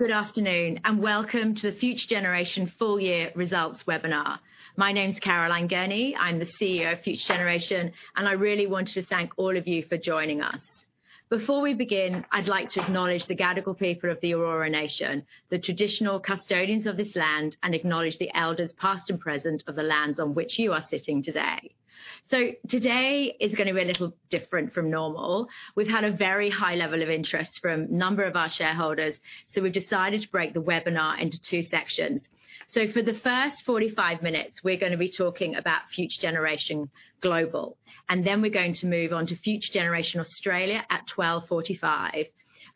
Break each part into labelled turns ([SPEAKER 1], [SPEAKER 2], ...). [SPEAKER 1] Good afternoon and welcome to the Future Generation Full Year Results webinar. My name's Caroline Gurney, I'm the CEO of Future Generation, and I really wanted to thank all of you for joining us. Before we begin, I'd like to acknowledge the Gadigal people of the Eora Nation, the traditional custodians of this land, and acknowledge the elders past and present of the lands on which you are sitting today. So today is going to be a little different from normal. We've had a very high level of interest from a number of our shareholders, so we've decided to break the webinar into two sections. So for the first 45 minutes, we're going to be talking about Future Generation Global, and then we're going to move on to Future Generation Australia at 12:45 P.M.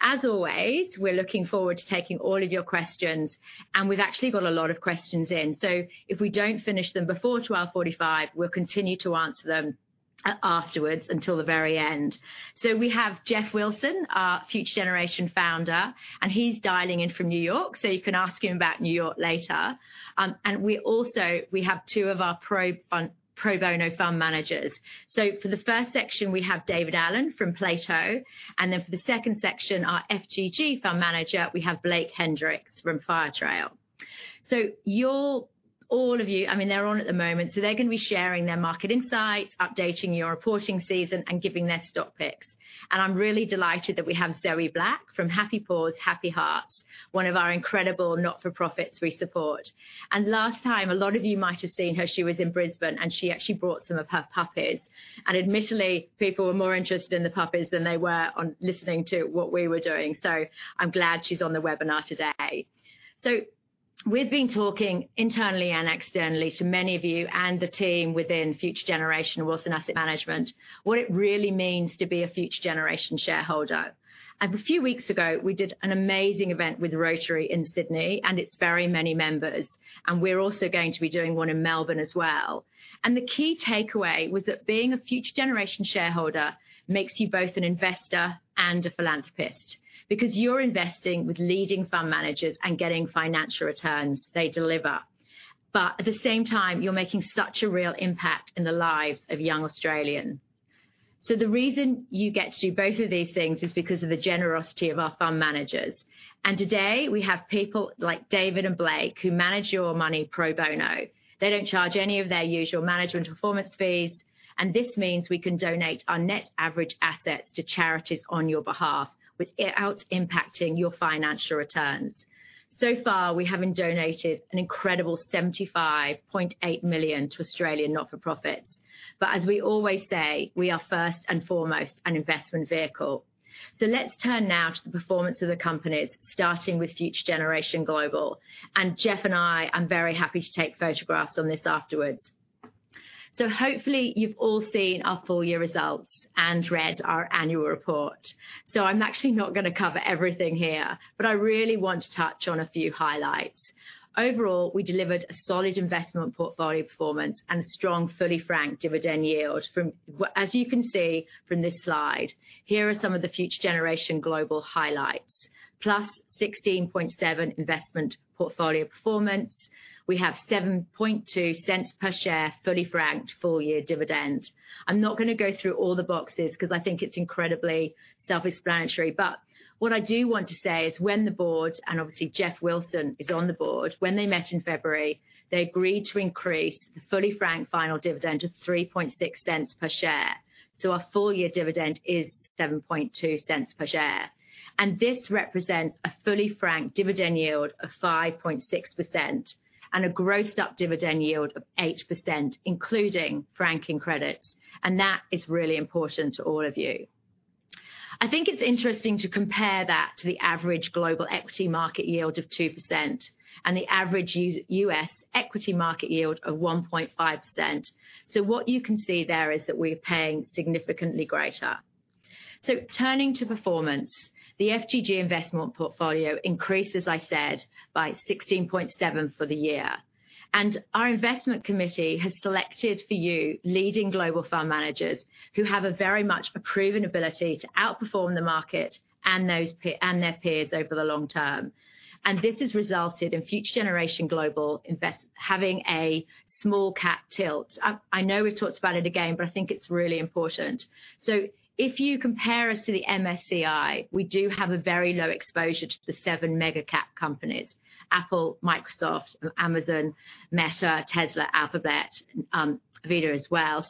[SPEAKER 1] As always, we're looking forward to taking all of your questions, and we've actually got a lot of questions in, so if we don't finish them before 12:45 P.M., we'll continue to answer them afterwards until the very end. So we have Geoff Wilson, our Future Generation founder, and he's dialing in from New York, so you can ask him about New York later. And we also have two of our pro bono fund managers. So for the first section, we have David Allen from Plato, and then for the second section, our FGG fund manager, we have Blake Henricks from Firetrail. So all of you I mean, they're on at the moment, so they're going to be sharing their market insights, updating your reporting season, and giving their stock picks. I'm really delighted that we have Zoe Black from Happy Paws Happy Hearts, one of our incredible not-for-profits we support. Last time, a lot of you might have seen her, she was in Brisbane, and she actually brought some of her puppies. Admittedly, people were more interested in the puppies than they were on listening to what we were doing, so I'm glad she's on the webinar today. We've been talking internally and externally to many of you and the team within Future Generation Wilson Asset Management what it really means to be a Future Generation shareholder. A few weeks ago, we did an amazing event with Rotary in Sydney and its very many members, and we're also going to be doing one in Melbourne as well. The key takeaway was that being a Future Generation shareholder makes you both an investor and a philanthropist because you're investing with leading fund managers and getting financial returns they deliver. At the same time, you're making such a real impact in the lives of young Australians. The reason you get to do both of these things is because of the generosity of our fund managers. Today, we have people like David and Blake who manage your money pro bono. They don't charge any of their usual management performance fees, and this means we can donate our net average assets to charities on your behalf without impacting your financial returns. So far, we have donated an incredible 75.8 million to Australian not-for-profits. As we always say, we are first and foremost an investment vehicle. So let's turn now to the performance of the companies, starting with Future Generation Global. And Geoff and I, I'm very happy to take photographs on this afterwards. So hopefully, you've all seen our full year results and read our annual report. So I'm actually not going to cover everything here, but I really want to touch on a few highlights. Overall, we delivered a solid investment portfolio performance and a strong, fully franked dividend yield, as you can see from this slide. Here are some of the Future Generation Global highlights: +16.7% investment portfolio performance. We have 0.072 per share fully franked full year dividend. I'm not going to go through all the boxes because I think it's incredibly self-explanatory. But what I do want to say is when the board and obviously, Geoff Wilson is on the board, when they met in February, they agreed to increase the fully franked final dividend to 0.036 per share. So our full year dividend is 0.072 per share. And this represents a fully franked dividend yield of 5.6% and a grossed-up dividend yield of 8%, including franking credits. And that is really important to all of you. I think it's interesting to compare that to the average global equity market yield of 2% and the average US equity market yield of 1.5%. So what you can see there is that we are paying significantly greater. So turning to performance, the FGG investment portfolio increases, I said, by 16.7% for the year. Our investment committee has selected for you leading global fund managers who have a very much proven ability to outperform the market and their peers over the long term. This has resulted in Future Generation Global having a small-cap tilt. I know we've talked about it again, but I think it's really important. If you compare us to the MSCI, we do have a very low exposure to the seven mega-cap companies: Apple, Microsoft, Amazon, Meta, Tesla, Alphabet, NVIDIA as well.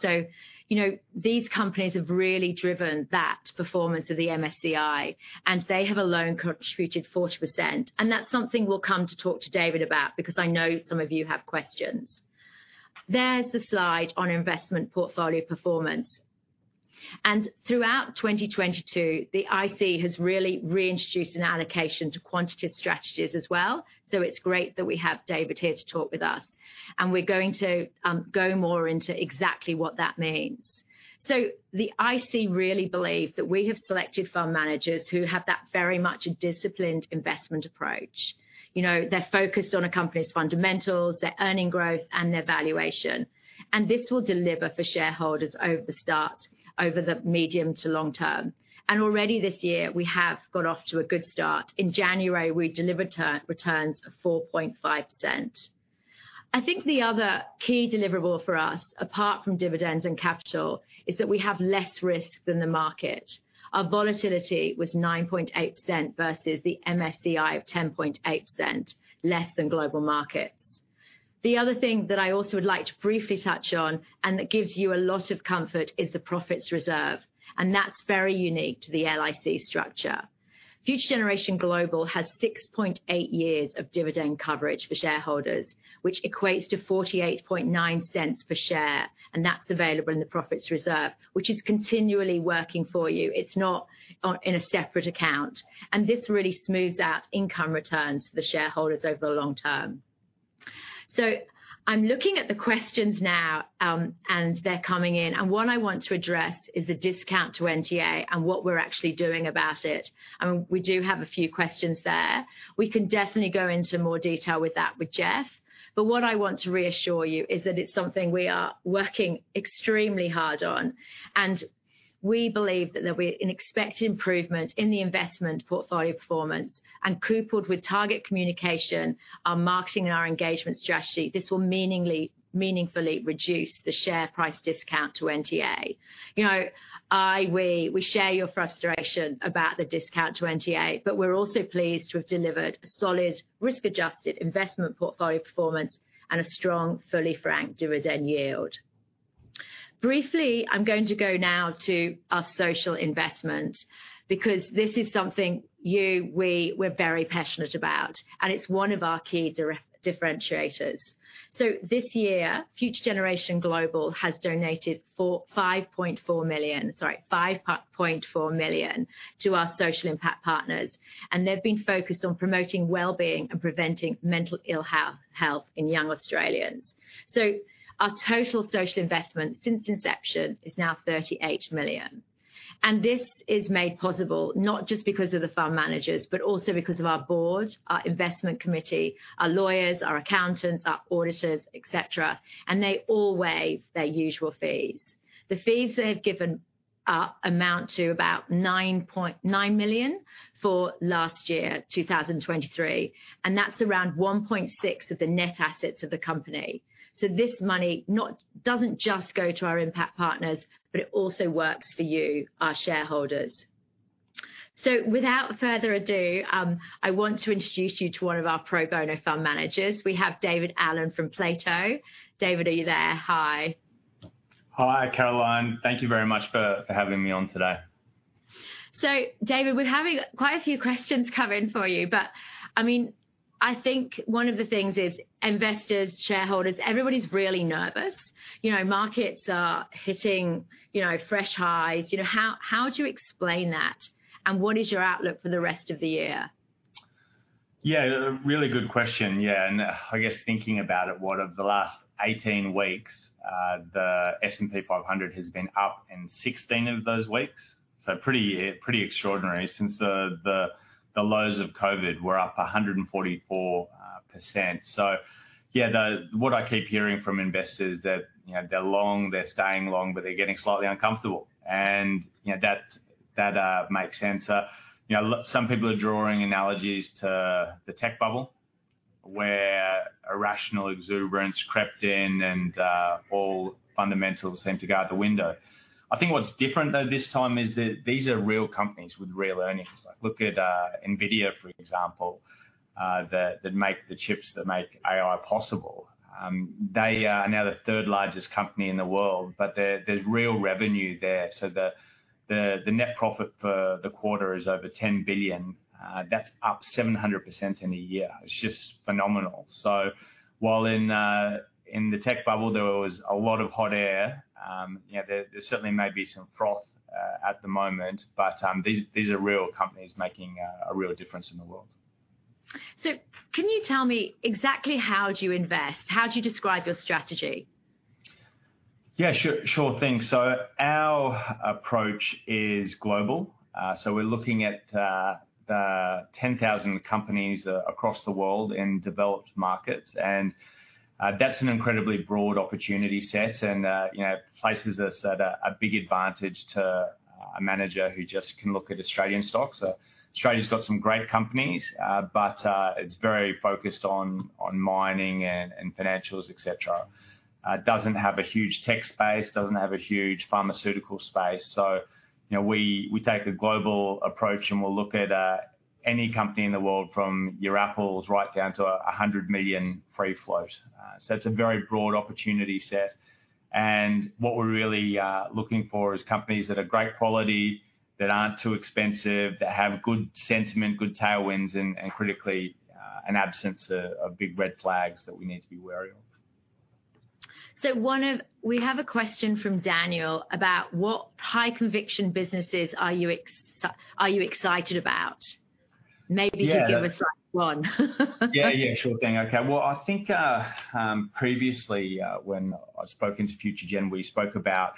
[SPEAKER 1] These companies have really driven that performance of the MSCI, and they have alone contributed 40%. That's something we'll come to talk to David about because I know some of you have questions. There's the slide on investment portfolio performance. Throughout 2022, the IC has really reintroduced an allocation to quantitative strategies as well. So it's great that we have David here to talk with us, and we're going to go more into exactly what that means. So the IC really believe that we have selected fund managers who have very much a disciplined investment approach. They're focused on a company's fundamentals, their earnings growth, and their valuation. And this will deliver for shareholders over the short, over the medium to long term. And already this year, we have got off to a good start. In January, we delivered returns of 4.5%. I think the other key deliverable for us, apart from dividends and capital, is that we have less risk than the market. Our volatility was 9.8% versus the MSCI of 10.8%, less than global markets. The other thing that I also would like to briefly touch on and that gives you a lot of comfort is the profits reserve. That's very unique to the LIC structure. Future Generation Global has 6.8 years of dividend coverage for shareholders, which equates to 0.489 per share. That's available in the profits reserve, which is continually working for you. It's not in a separate account. This really smooths out income returns for the shareholders over the long term. I'm looking at the questions now, and they're coming in. One I want to address is the discount to NTA and what we're actually doing about it. I mean, we do have a few questions there. We can definitely go into more detail with that with Geoff. What I want to reassure you is that it's something we are working extremely hard on. We believe that there will be an expected improvement in the investment portfolio performance. And coupled with target communication, our marketing and our engagement strategy, this will meaningfully reduce the share price discount to NTA. I, we, we share your frustration about the discount to NTA, but we're also pleased to have delivered a solid, risk-adjusted investment portfolio performance and a strong, fully franked dividend yield. Briefly, I'm going to go now to our social investment because this is something you, we, we're very passionate about, and it's one of our key differentiators. So this year, Future Generation Global has donated 5.4 million sorry, 5.4 million to our social impact partners. And they've been focused on promoting well-being and preventing mental ill health in young Australians. So our total social investment since inception is now 38 million. This is made possible not just because of the fund managers, but also because of our board, our investment committee, our lawyers, our accountants, our auditors, et cetera. They all waive their usual fees. The fees they have given amount to about 9 million for last year, 2023. That's around 1.6% of the net assets of the company. This money doesn't just go to our impact partners, but it also works for you, our shareholders. Without further ado, I want to introduce you to one of our pro bono fund managers. We have David Allen from Plato. David, are you there? Hi.
[SPEAKER 2] Hi, Caroline. Thank you very much for having me on today.
[SPEAKER 1] So David, we're having quite a few questions come in for you. But I mean, I think one of the things is investors, shareholders, everybody's really nervous. Markets are hitting fresh highs. How do you explain that, and what is your outlook for the rest of the year?
[SPEAKER 2] Yeah, really good question. Yeah. And I guess thinking about it, what, over the last 18 weeks, the S&P 500 has been up in 16 of those weeks. So pretty extraordinary since the lows of COVID. We're up 144%. So yeah, what I keep hearing from investors is that they're long, they're staying long, but they're getting slightly uncomfortable. And that makes sense. Some people are drawing analogies to the tech bubble, where irrational exuberance crept in and all fundamentals seemed to go out the window. I think what's different, though, this time is that these are real companies with real earnings. Look at NVIDIA, for example, that make the chips that make AI possible. They are now the third largest company in the world, but there's real revenue there. So the net profit for the quarter is over $10 billion. That's up 700% in a year. It's just phenomenal. While in the tech bubble, there was a lot of hot air, there certainly may be some froth at the moment, but these are real companies making a real difference in the world.
[SPEAKER 1] Can you tell me exactly how do you invest? How do you describe your strategy?
[SPEAKER 2] Yeah, sure thing. Our approach is global. We're looking at the 10,000 companies across the world in developed markets. And that's an incredibly broad opportunity set and places us at a big advantage to a manager who just can look at Australian stocks. Australia's got some great companies, but it's very focused on mining and financials, et cetera. Doesn't have a huge tech space, doesn't have a huge pharmaceutical space. We take a global approach, and we'll look at any company in the world from Apple right down to 100 million free float. It's a very broad opportunity set. And what we're really looking for is companies that are great quality, that aren't too expensive, that have good sentiment, good tailwinds, and critically, an absence of big red flags that we need to be wary of.
[SPEAKER 1] We have a question from Daniel about what high-conviction businesses are you excited about? Maybe you give us one?
[SPEAKER 2] Yeah, yeah, sure thing. OK, well, I think previously, when I spoke into FutureGen, we spoke about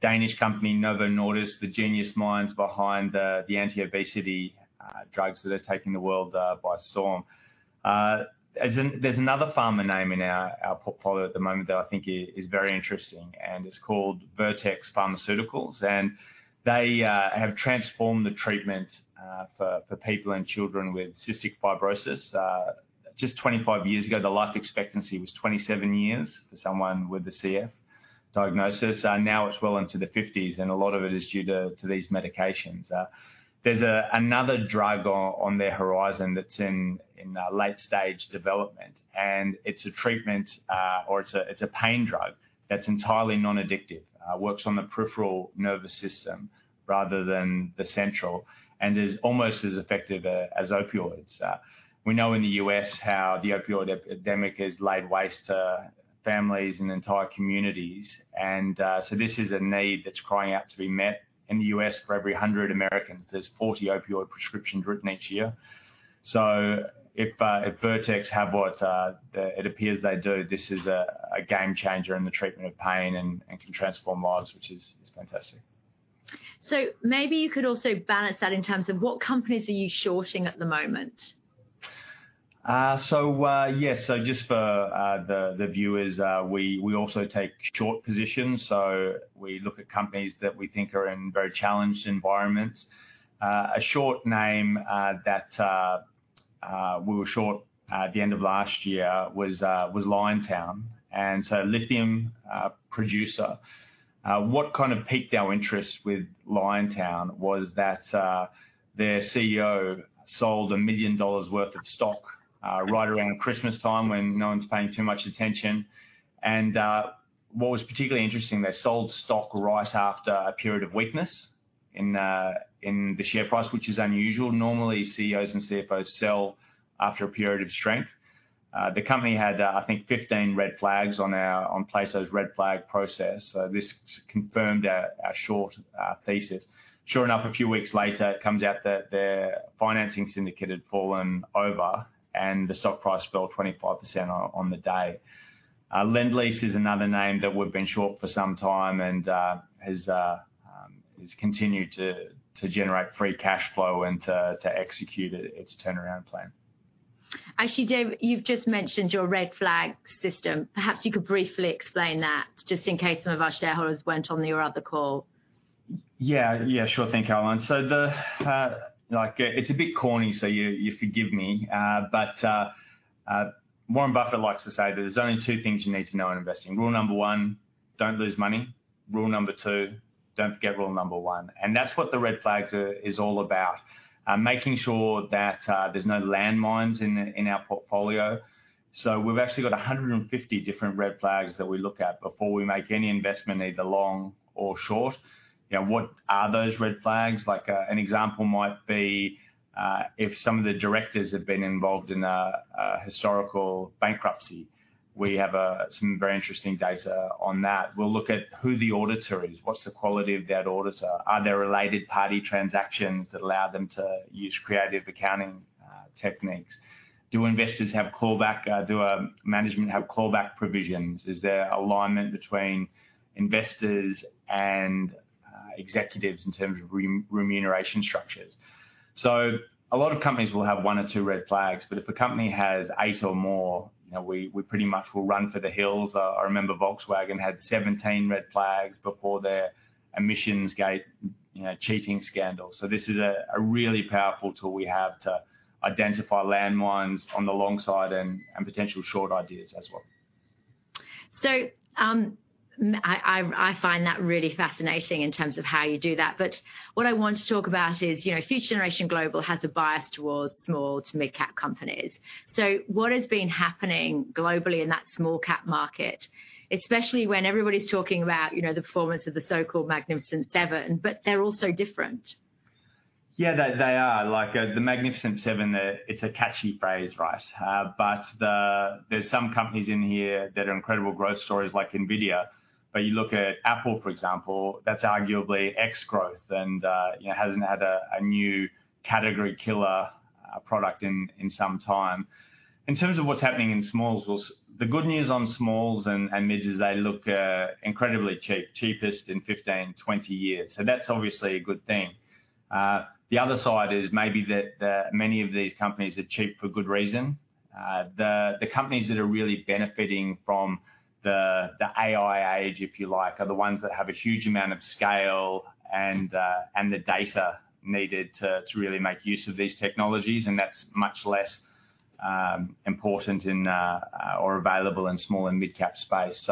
[SPEAKER 2] Danish company Novo Nordisk, the genius minds behind the anti-obesity drugs that are taking the world by storm. There's another pharma name in our portfolio at the moment that I think is very interesting. And it's called Vertex Pharmaceuticals. And they have transformed the treatment for people and children with cystic fibrosis. Just 25 years ago, the life expectancy was 27 years for someone with the CF diagnosis. Now it's well into the 50s, and a lot of it is due to these medications. There's another drug on their horizon that's in late-stage development. And it's a treatment or it's a pain drug that's entirely non-addictive, works on the peripheral nervous system rather than the central, and is almost as effective as opioids. We know in the U.S. how the opioid epidemic has laid waste to families and entire communities. And so this is a need that's crying out to be met. In the U.S., for every 100 Americans, there's 40 opioid prescriptions written each year. So if Vertex have what it appears they do, this is a game changer in the treatment of pain and can transform lives, which is fantastic.
[SPEAKER 1] Maybe you could also balance that in terms of what companies are you shorting at the moment?
[SPEAKER 2] So yes, so just for the viewers, we also take short positions. So we look at companies that we think are in very challenged environments. A short name that we were short at the end of last year was Liontown, and so a lithium producer. What kind of piqued our interest with Liontown was that their CEO sold 1 million dollars worth of stock right around Christmas time when no one's paying too much attention. And what was particularly interesting, they sold stock right after a period of weakness in the share price, which is unusual. Normally, CEOs and CFOs sell after a period of strength. The company had, I think, 15 red flags on Plato's red flag process. So this confirmed our short thesis. Sure enough, a few weeks later, it comes out that their financing syndicate had fallen over, and the stock price fell 25% on the day. Lendlease is another name that we've been short for some time and has continued to generate free cash flow and to execute its turnaround plan.
[SPEAKER 1] Actually, David, you've just mentioned your red flag system. Perhaps you could briefly explain that just in case some of our shareholders weren't on the other call.
[SPEAKER 2] Yeah, yeah, sure thing, Caroline. So it's a bit corny, so you forgive me. But Warren Buffett likes to say that there's only two things you need to know in investing. Rule number one, don't lose money. Rule number two, don't forget rule number one. And that's what the red flags are all about, making sure that there's no landmines in our portfolio. So we've actually got 150 different red flags that we look at before we make any investment, either long or short. What are those red flags? An example might be if some of the directors have been involved in a historical bankruptcy. We have some very interesting data on that. We'll look at who the auditor is, what's the quality of that auditor, are there related party transactions that allow them to use creative accounting techniques? Do investors have clawback? Do management have clawback provisions? Is there alignment between investors and executives in terms of remuneration structures? So a lot of companies will have one or two red flags. But if a company has eight or more, we pretty much will run for the hills. I remember Volkswagen had 17 red flags before their Emissionsgate cheating scandal. So this is a really powerful tool we have to identify landmines on the long side and potential short ideas as well.
[SPEAKER 1] I find that really fascinating in terms of how you do that. What I want to talk about is Future Generation Global has a bias towards small to mid-cap companies. What has been happening globally in that small-cap market, especially when everybody's talking about the performance of the so-called Magnificent Seven, but they're also different?
[SPEAKER 2] Yeah, they are. The Magnificent Seven, it's a catchy phrase, right? But there's some companies in here that are incredible growth stories, like NVIDIA. But you look at Apple, for example, that's arguably ex-growth and hasn't had a new category killer product in some time. In terms of what's happening in smalls, the good news on smalls and mids is they look incredibly cheap, cheapest in 15, 20 years. So that's obviously a good thing. The other side is maybe that many of these companies are cheap for good reason. The companies that are really benefiting from the AI age, if you like, are the ones that have a huge amount of scale and the data needed to really make use of these technologies. And that's much less important or available in small and mid-cap space.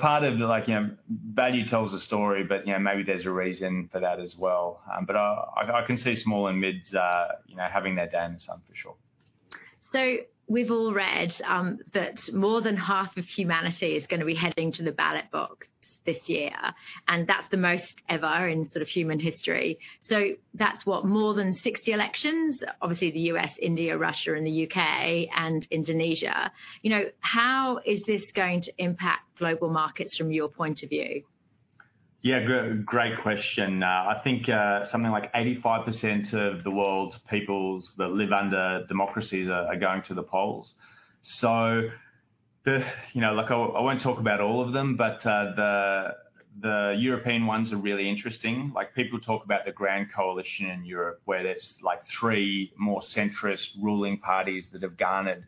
[SPEAKER 2] Part of value tells a story, but maybe there's a reason for that as well. I can see small and mids having their day in the sun, for sure.
[SPEAKER 1] So we've all read that more than half of humanity is going to be heading to the ballot box this year. And that's the most ever in sort of human history. So that's what more than 60 elections, obviously the U.S., India, Russia, and the U.K., and Indonesia. How is this going to impact global markets from your point of view?
[SPEAKER 2] Yeah, great question. I think something like 85% of the world's peoples that live under democracies are going to the polls. So I won't talk about all of them, but the European ones are really interesting. People talk about the Grand Coalition in Europe, where there's three more centrist ruling parties that have garnered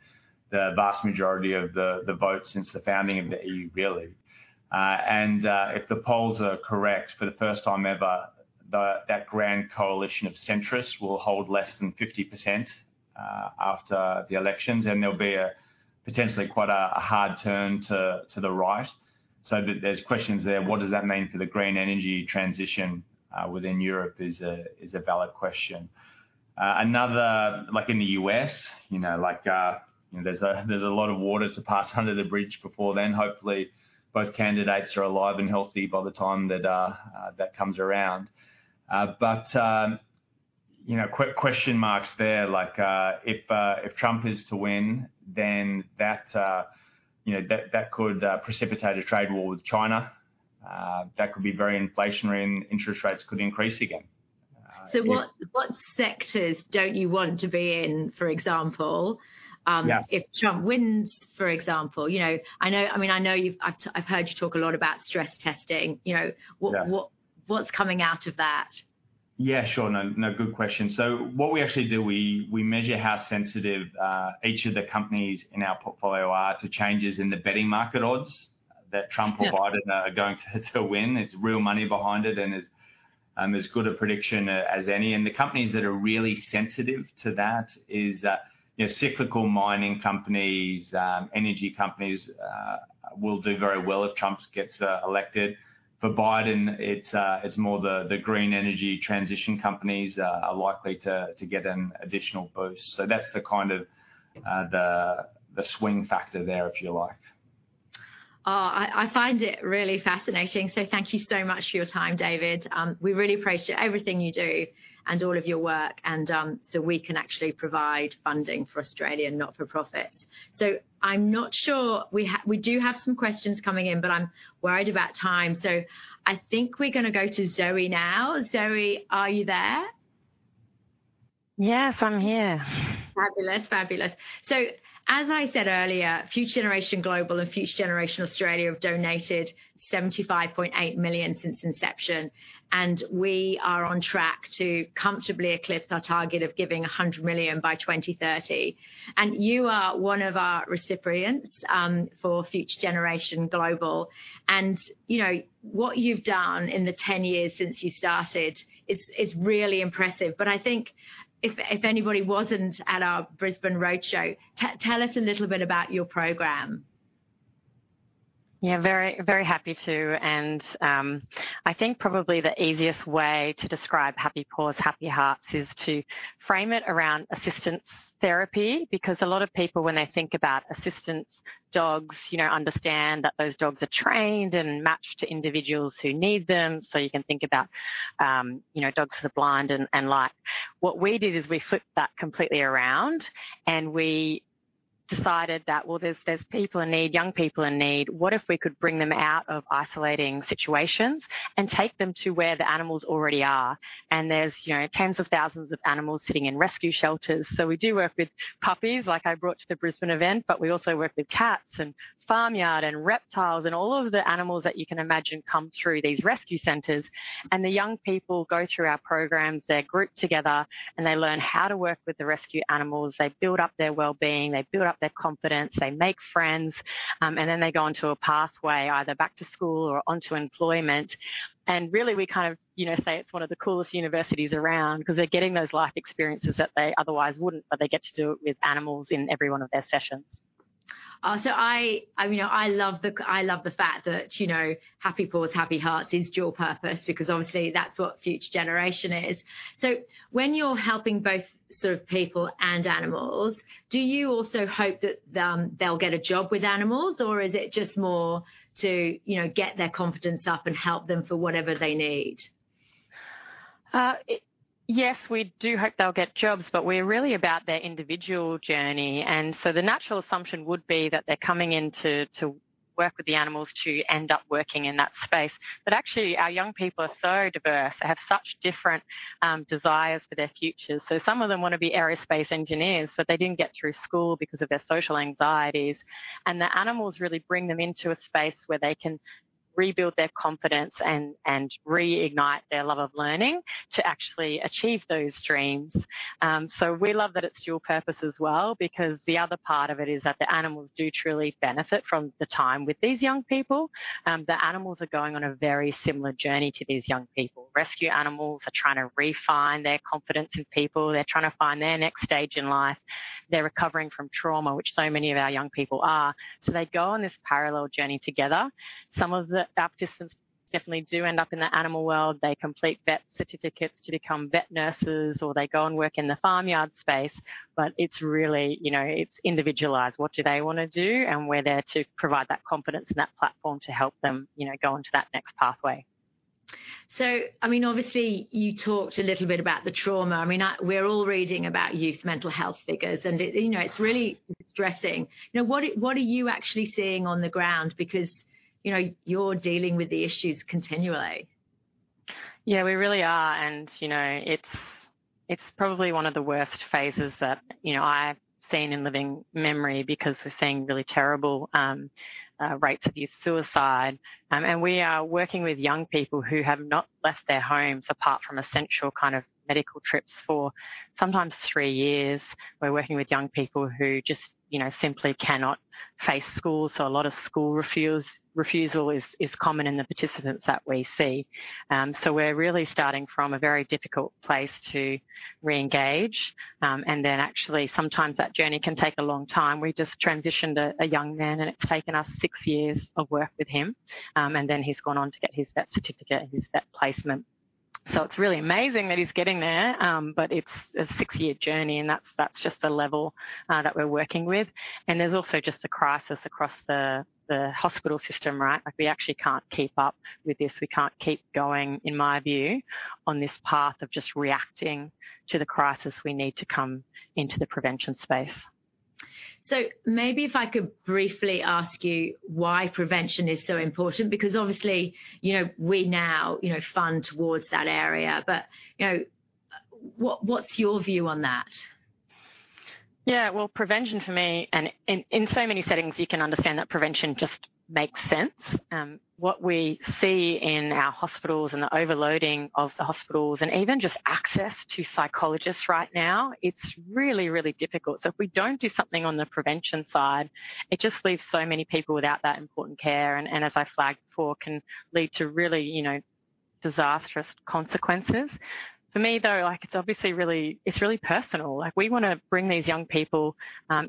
[SPEAKER 2] the vast majority of the votes since the founding of the EU, really. And if the polls are correct for the first time ever, that Grand Coalition of centrists will hold less than 50% after the elections. And there'll be potentially quite a hard turn to the right. So there's questions there. What does that mean for the green energy transition within Europe is a valid question. In the U.S., there's a lot of water to pass under the bridge before then. Hopefully, both candidates are alive and healthy by the time that comes around. But quick question, Mark's there. If Trump is to win, then that could precipitate a trade war with China. That could be very inflationary. Interest rates could increase again.
[SPEAKER 1] So what sectors don't you want to be in, for example, if Trump wins, for example? I mean, I know I've heard you talk a lot about stress testing. What's coming out of that?
[SPEAKER 2] Yeah, sure. No, good question. So what we actually do, we measure how sensitive each of the companies in our portfolio are to changes in the betting market odds that Trump or Biden are going to win. It's real money behind it, and it's as good a prediction as any. And the companies that are really sensitive to that are cyclical mining companies. Energy companies will do very well if Trump gets elected. For Biden, it's more the green energy transition companies are likely to get an additional boost. So that's the kind of the swing factor there, if you like.
[SPEAKER 1] I find it really fascinating. So thank you so much for your time, David. We really appreciate everything you do and all of your work so we can actually provide funding for Australia, not-for-profit. So I'm not sure we do have some questions coming in, but I'm worried about time. So I think we're going to go to Zoe now. Zoe, are you there?
[SPEAKER 3] Yes, I'm here.
[SPEAKER 1] Fabulous, fabulous. So as I said earlier, Future Generation Global and Future Generation Australia have donated 75.8 million since inception. And we are on track to comfortably eclipse our target of giving 100 million by 2030. And you are one of our recipients for Future Generation Global. And what you've done in the 10 years since you started is really impressive. But I think if anybody wasn't at our Brisbane roadshow, tell us a little bit about your program.
[SPEAKER 3] Yeah, very happy to. I think probably the easiest way to describe Happy Paws Happy Hearts is to frame it around assistance therapy. Because a lot of people, when they think about assistance dogs, understand that those dogs are trained and matched to individuals who need them. So you can think about dogs for the blind and the like. What we did is we flipped that completely around. We decided that, well, there's people in need, young people in need. What if we could bring them out of isolating situations and take them to where the animals already are? There's tens of thousands of animals sitting in rescue shelters. So we do work with puppies, like I brought to the Brisbane event. But we also work with cats and farmyard and reptiles and all of the animals that you can imagine come through these rescue centers. The young people go through our programs. They're grouped together, and they learn how to work with the rescue animals. They build up their well-being. They build up their confidence. They make friends. And then they go onto a pathway, either back to school or onto employment. And really, we kind of say it's one of the coolest universities around because they're getting those life experiences that they otherwise wouldn't. But they get to do it with animals in every one of their sessions.
[SPEAKER 1] So I love the fact that Happy Paws Happy Hearts is dual purpose because, obviously, that's what Future Generation is. So when you're helping both sort of people and animals, do you also hope that they'll get a job with animals? Or is it just more to get their confidence up and help them for whatever they need?
[SPEAKER 3] Yes, we do hope they'll get jobs. But we're really about their individual journey. The natural assumption would be that they're coming in to work with the animals to end up working in that space. Actually, our young people are so diverse. They have such different desires for their futures. Some of them want to be aerospace engineers. They didn't get through school because of their social anxieties. The animals really bring them into a space where they can rebuild their confidence and reignite their love of learning to actually achieve those dreams. We love that it's dual purpose as well because the other part of it is that the animals do truly benefit from the time with these young people. The animals are going on a very similar journey to these young people. Rescue animals are trying to refine their confidence in people. They're trying to find their next stage in life. They're recovering from trauma, which so many of our young people are. So they go on this parallel journey together. Some of the youths definitely do end up in the animal world. They complete vet certificates to become vet nurses. Or they go and work in the farmyard space. But it's really individualized. What do they want to do? And we're there to provide that confidence and that platform to help them go onto that next pathway.
[SPEAKER 1] So I mean, obviously, you talked a little bit about the trauma. I mean, we're all reading about youth mental health figures. And it's really distressing. What are you actually seeing on the ground? Because you're dealing with the issues continually.
[SPEAKER 3] Yeah, we really are. And it's probably one of the worst phases that I've seen in living memory because we're seeing really terrible rates of youth suicide. And we are working with young people who have not left their homes apart from essential kind of medical trips for sometimes three years. We're working with young people who just simply cannot face school. So a lot of school refusal is common in the participants that we see. So we're really starting from a very difficult place to reengage. And then actually, sometimes that journey can take a long time. We just transitioned a young man. And it's taken us six years of work with him. And then he's gone on to get his vet certificate and his vet placement. So it's really amazing that he's getting there. But it's a six-year journey. And that's just the level that we're working with. There's also just a crisis across the hospital system, right? We actually can't keep up with this. We can't keep going, in my view, on this path of just reacting to the crisis. We need to come into the prevention space.
[SPEAKER 1] Maybe if I could briefly ask you why prevention is so important because, obviously, we now fund towards that area. What's your view on that?
[SPEAKER 3] Yeah, well, prevention for me, and in so many settings, you can understand that prevention just makes sense. What we see in our hospitals and the overloading of the hospitals and even just access to psychologists right now, it's really, really difficult. So if we don't do something on the prevention side, it just leaves so many people without that important care. And as I flagged before, it can lead to really disastrous consequences. For me, though, it's obviously really personal. We want to bring these young people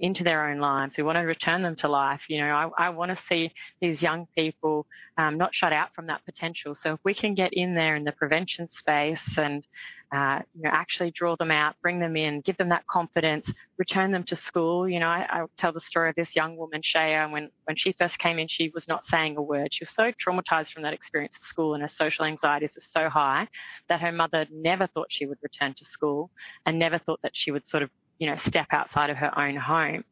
[SPEAKER 3] into their own lives. We want to return them to life. I want to see these young people not shut out from that potential. So if we can get in there in the prevention space and actually draw them out, bring them in, give them that confidence, return them to school, I tell the story of this young woman, Shayna. When she first came in, she was not saying a word. She was so traumatized from that experience at school. Her social anxiety is so high that her mother never thought she would return to school and never thought that she would sort of step outside of her own home.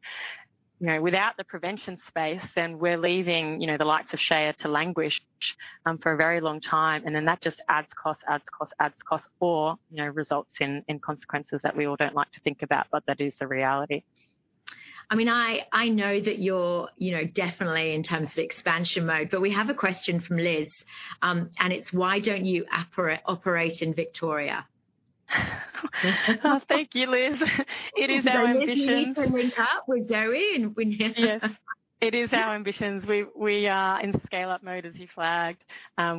[SPEAKER 3] Without the prevention space, then we're leaving the likes of Shayna to languish for a very long time. Then that just adds cost, adds cost, adds cost, or results in consequences that we all don't like to think about. That is the reality.
[SPEAKER 1] I mean, I know that you're definitely, in terms of expansion mode. But we have a question from Liz. And it's, why don't you operate in Victoria?
[SPEAKER 3] Thank you, Liz. It is our ambitions.
[SPEAKER 1] There is a need for link-up with Zoe?
[SPEAKER 3] Yes, it is our ambitions. We are in scale-up mode, as you flagged.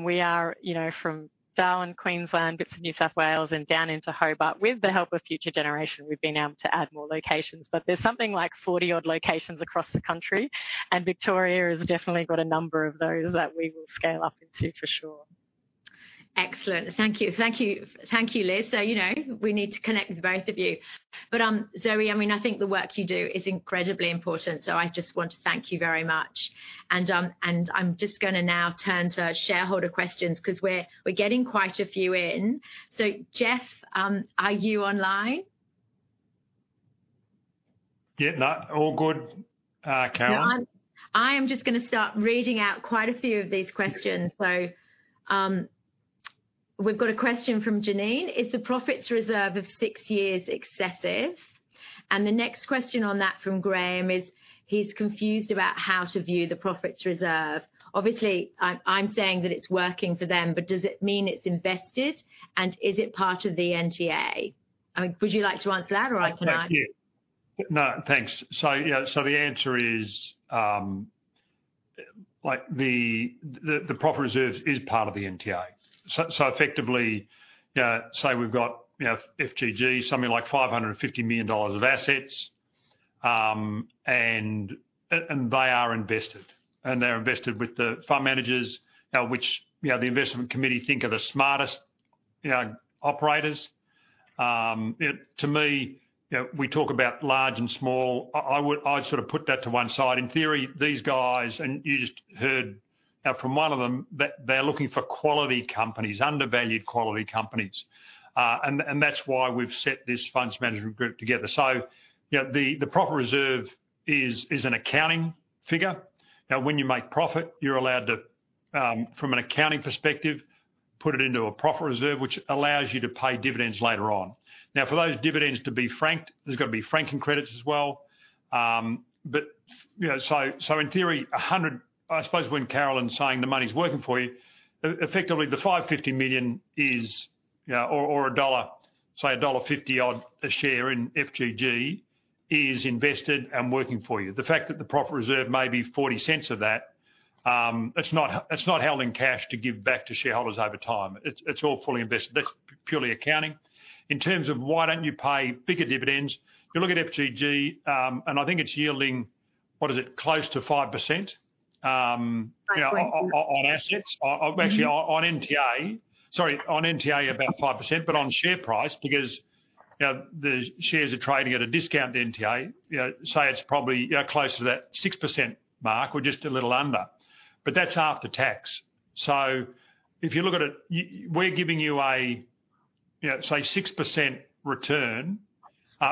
[SPEAKER 3] We are from Darwin, Queensland, bits of New South Wales, and down into Hobart. With the help of Future Generation, we've been able to add more locations. But there's something like 40-odd locations across the country. Victoria has definitely got a number of those that we will scale up into, for sure.
[SPEAKER 1] Excellent. Thank you. Thank you, Liz. So we need to connect with both of you. But Zoe, I mean, I think the work you do is incredibly important. So I just want to thank you very much. And I'm just going to now turn to shareholder questions because we're getting quite a few in. So Geoff, are you online?
[SPEAKER 4] Yeah, not all good, Karen.
[SPEAKER 1] I am just going to start reading out quite a few of these questions. So we've got a question from Janine. Is the Profits Reserve of six years excessive? And the next question on that from Graham is he's confused about how to view the Profits Reserve. Obviously, I'm saying that it's working for them. But does it mean it's invested? And is it part of the NTA? Would you like to answer that? Or I cannot?
[SPEAKER 4] Thank you. No, thanks. So the answer is the profit reserve is part of the NTA. So effectively, say we've got FGG, something like 550 million dollars of assets. And they are invested. And they're invested with the fund managers, which the investment committee think are the smartest operators. To me, we talk about large and small. I'd sort of put that to one side. In theory, these guys, and you just heard from one of them, they're looking for quality companies, undervalued quality companies. And that's why we've set this funds management group together. So the profit reserve is an accounting figure. Now, when you make profit, you're allowed to, from an accounting perspective, put it into a profit reserve, which allows you to pay dividends later on. Now, for those dividends, to be frank, there's got to be franking credits as well. So in theory, 100, I suppose when Caroline's saying the money's working for you, effectively, the 550 million is, or a dollar, say dollar 1.50 odd a share in FGG, is invested and working for you. The fact that the profit reserve may be 0.40 of that, it's not held in cash to give back to shareholders over time. It's all fully invested. That's purely accounting. In terms of why don't you pay bigger dividends, you look at FGG. And I think it's yielding, what is it, close to 5% on assets, actually on NTA, sorry, on NTA about 5%. But on share price, because the shares are trading at a discount NTA, say it's probably close to that 6% mark or just a little under. But that's after tax. So if you look at it, we're giving you a, say, 6% return,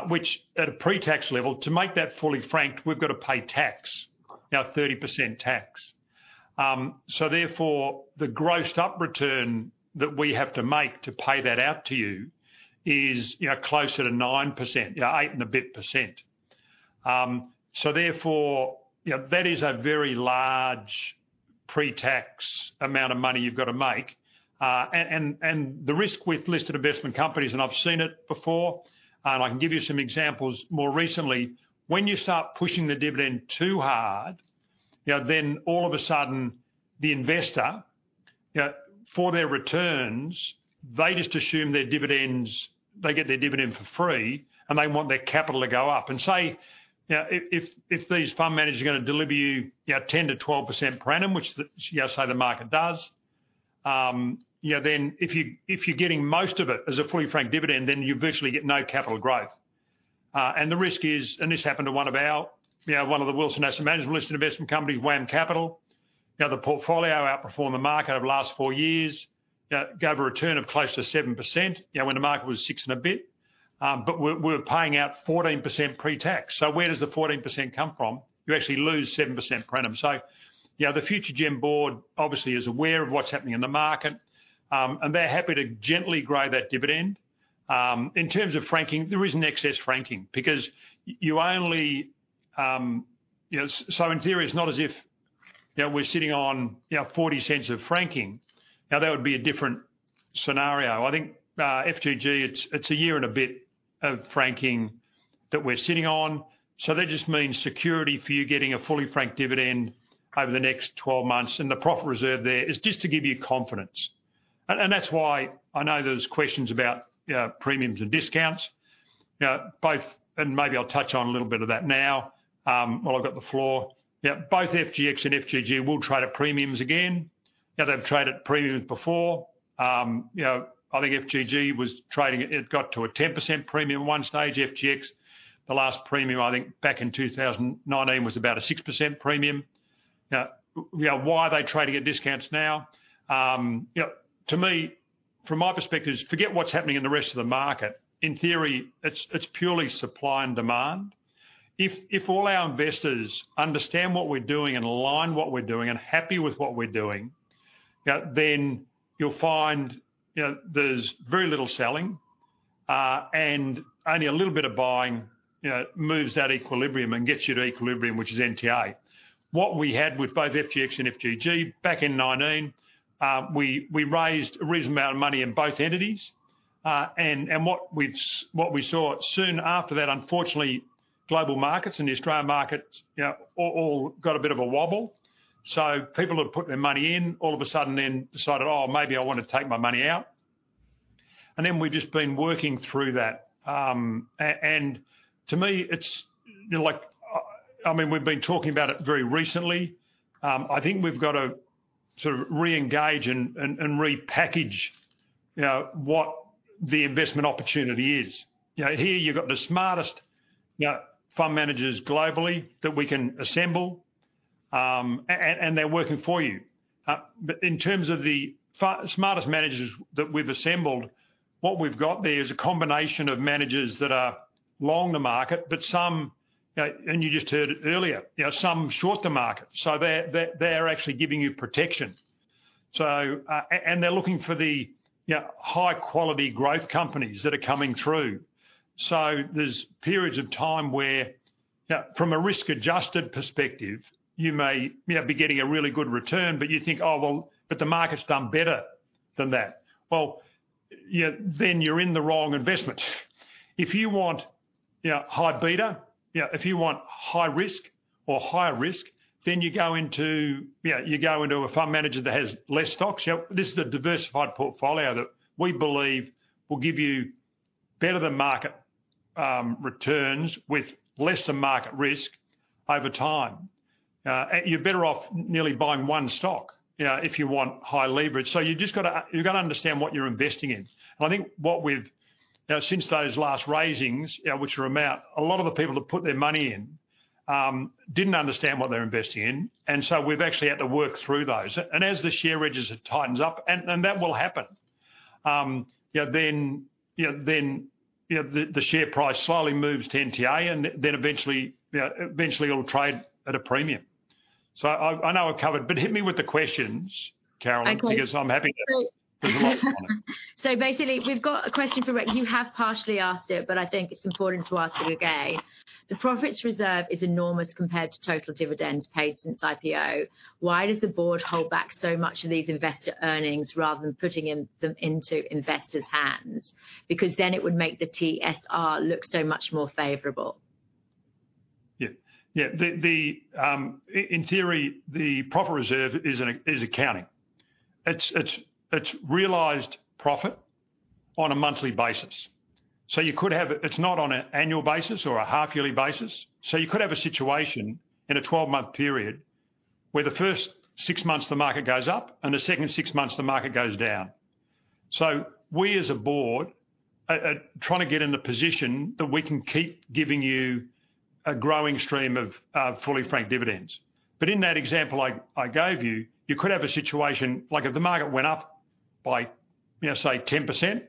[SPEAKER 4] which at a pre-tax level, to make that fully franked, we've got to pay tax, now 30% tax. So therefore, the grossed-up return that we have to make to pay that out to you is closer to 9%, 8 and a bit %. So therefore, that is a very large pre-tax amount of money you've got to make. And the risk with listed investment companies, and I've seen it before. And I can give you some examples more recently. When you start pushing the dividend too hard, then all of a sudden, the investor, for their returns, they just assume their dividends, they get their dividend for free. And they want their capital to go up. Say if these fund managers are going to deliver you 10%-12% per annum, which, say, the market does, then if you're getting most of it as a fully franked dividend, then you virtually get no capital growth. The risk is, and this happened to one of the Wilson Asset Management listed investment companies, WAM Capital. The portfolio outperformed the market over the last 4 years, gave a return of close to 7% when the market was 6% and a bit. But we're paying out 14% pre-tax. So where does the 14% come from? You actually lose 7% per annum. So the Future Generation board, obviously, is aware of what's happening in the market. And they're happy to gently grow that dividend. In terms of franking, there isn't excess franking because you only, so in theory, it's not as if we're sitting on 0.40 of franking. Now, that would be a different scenario. I think FGG, it's a year and a bit of franking that we're sitting on. So that just means security for you getting a fully franked dividend over the next 12 months. The profit reserve there is just to give you confidence. That's why I know there's questions about premiums and discounts. Maybe I'll touch on a little bit of that now while I've got the floor. Both FGX and FGG will trade at premiums again. They've traded at premiums before. I think FGG was trading, it got to a 10% premium at one stage. FGX, the last premium, I think back in 2019, was about a 6% premium. Why are they trading at discounts now? To me, from my perspective, forget what's happening in the rest of the market. In theory, it's purely supply and demand. If all our investors understand what we're doing and align what we're doing and happy with what we're doing, then you'll find there's very little selling. And only a little bit of buying moves that equilibrium and gets you to equilibrium, which is NTA. What we had with both FGX and FGG back in 2019, we raised a reasonable amount of money in both entities. And what we saw soon after that, unfortunately, global markets and the Australian markets all got a bit of a wobble. So people have put their money in. All of a sudden, then decided, oh, maybe I want to take my money out. And then we've just been working through that. And to me, it's like, I mean, we've been talking about it very recently. I think we've got to sort of reengage and repackage what the investment opportunity is. Here, you've got the smartest fund managers globally that we can assemble. And they're working for you. But in terms of the smartest managers that we've assembled, what we've got there is a combination of managers that are long the market. But some, and you just heard earlier, some short the market. So they're actually giving you protection. And they're looking for the high-quality growth companies that are coming through. So there's periods of time where, from a risk-adjusted perspective, you may be getting a really good return. But you think, oh, well, but the market's done better than that. Well, then you're in the wrong investment. If you want high beta, if you want high risk or higher risk, then you go into a fund manager that has less stocks. This is a diversified portfolio that we believe will give you better than market returns with less than market risk over time. You're better off nearly buying one stock if you want high leverage. So you've got to understand what you're investing in. And I think what we've, since those last raisings, which are about a lot of the people that put their money in, didn't understand what they're investing in. And so we've actually had to work through those. And as the share registers have tightened up, and that will happen, then the share price slowly moves to NTA. And then eventually, it'll trade at a premium. So I know I've covered. But hit me with the questions, Caroline, because I'm happy to.
[SPEAKER 1] I quickly.
[SPEAKER 4] There's a lot on it.
[SPEAKER 1] So basically, we've got a question for you have partially asked it. But I think it's important to ask it again. The Profits Reserve is enormous compared to total dividends paid since IPO. Why does the board hold back so much of these investor earnings rather than putting them into investors' hands? Because then it would make the TSR look so much more favorable.
[SPEAKER 4] Yeah, yeah. In theory, the profit reserve is accounting. It's realized profit on a monthly basis. So you could have; it's not on an annual basis or a half-yearly basis. So you could have a situation in a 12-month period where the first six months the market goes up. And the second six months the market goes down. So we, as a board, are trying to get in the position that we can keep giving you a growing stream of fully franked dividends. But in that example I gave you, you could have a situation like if the market went up by, say, 10%,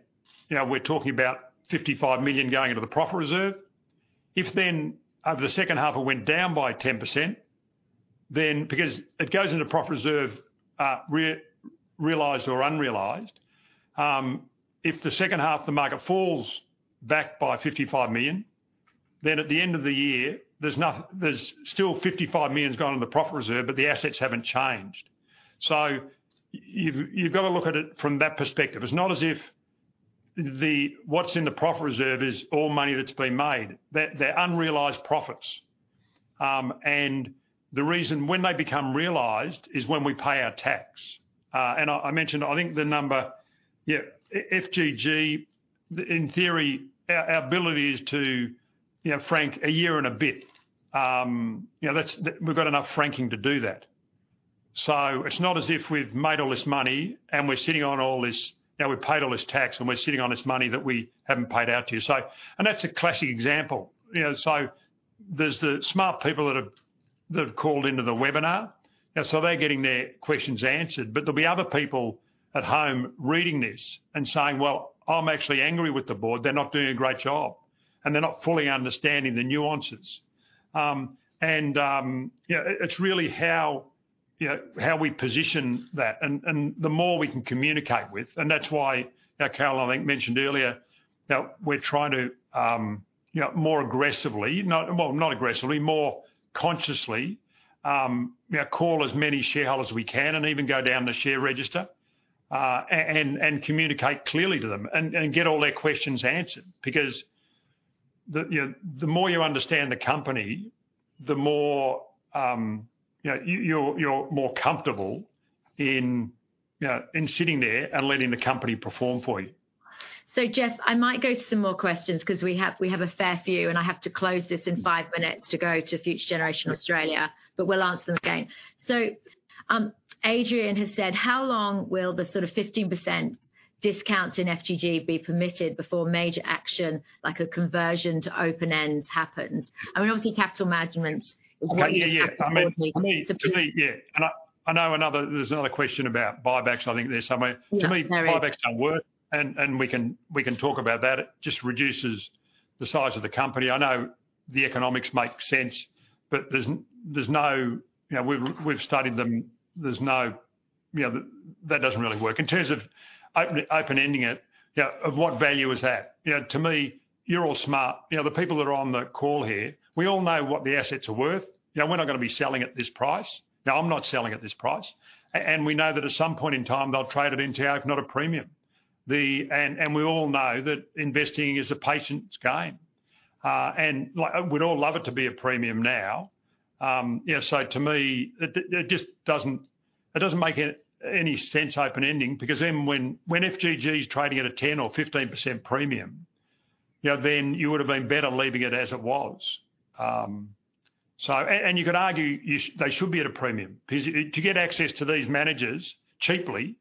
[SPEAKER 4] we're talking about 55 million going into the profit reserve. If, then, over the second half it went down by 10%, then because it goes into Profits Reserve, realized or unrealized, if the second half the market falls back by 55 million, then at the end of the year, there's still 55 million gone into the Profits Reserve. But the assets haven't changed. So you've got to look at it from that perspective. It's not as if what's in the Profits Reserve is all money that's been made. They're unrealized profits. And the reason when they become realized is when we pay our tax. And I mentioned, I think the number, yeah, FGG, in theory, our ability is to frank a year and a bit. We've got enough franking to do that. So it's not as if we've made all this money. And we're sitting on all this, we've paid all this tax. We're sitting on this money that we haven't paid out to you. And that's a classic example. So there's the smart people that have called into the webinar. So they're getting their questions answered. But there'll be other people at home reading this and saying, well, I'm actually angry with the board. They're not doing a great job. And they're not fully understanding the nuances. And it's really how we position that. And the more we can communicate with, and that's why Caroline, I think, mentioned earlier, we're trying to more aggressively, well, not aggressively, more consciously call as many shareholders as we can. And even go down to the share register and communicate clearly to them and get all their questions answered. Because the more you understand the company, the more you're more comfortable in sitting there and letting the company perform for you.
[SPEAKER 1] So Geoff, I might go to some more questions because we have a fair few. And I have to close this in 5 minutes to go to Future Generation Australia. But we'll answer them again. So Adrian has said, how long will the sort of 15% discounts in FGG be permitted before major action, like a conversion to open ends, happens? I mean, obviously, capital management is what you want to see.
[SPEAKER 4] Yeah, yeah, yeah. I mean, to me, yeah. And I know there's another question about buybacks. I think there's somewhere, to me, buybacks don't work. And we can talk about that. It just reduces the size of the company. I know the economics make sense. But there's no, we've studied them. That doesn't really work. In terms of open ending it, of what value is that? To me, you're all smart. The people that are on the call here, we all know what the assets are worth. We're not going to be selling at this price. Now, I'm not selling at this price. And we know that at some point in time, they'll trade at NTA, if not a premium. And we all know that investing is a patience's game. And we'd all love it to be a premium now. So to me, it just doesn't make any sense, open ending. Because then when FGG is trading at a 10% or 15% premium, then you would have been better leaving it as it was. You could argue they should be at a premium. Because to get access to these managers cheaply,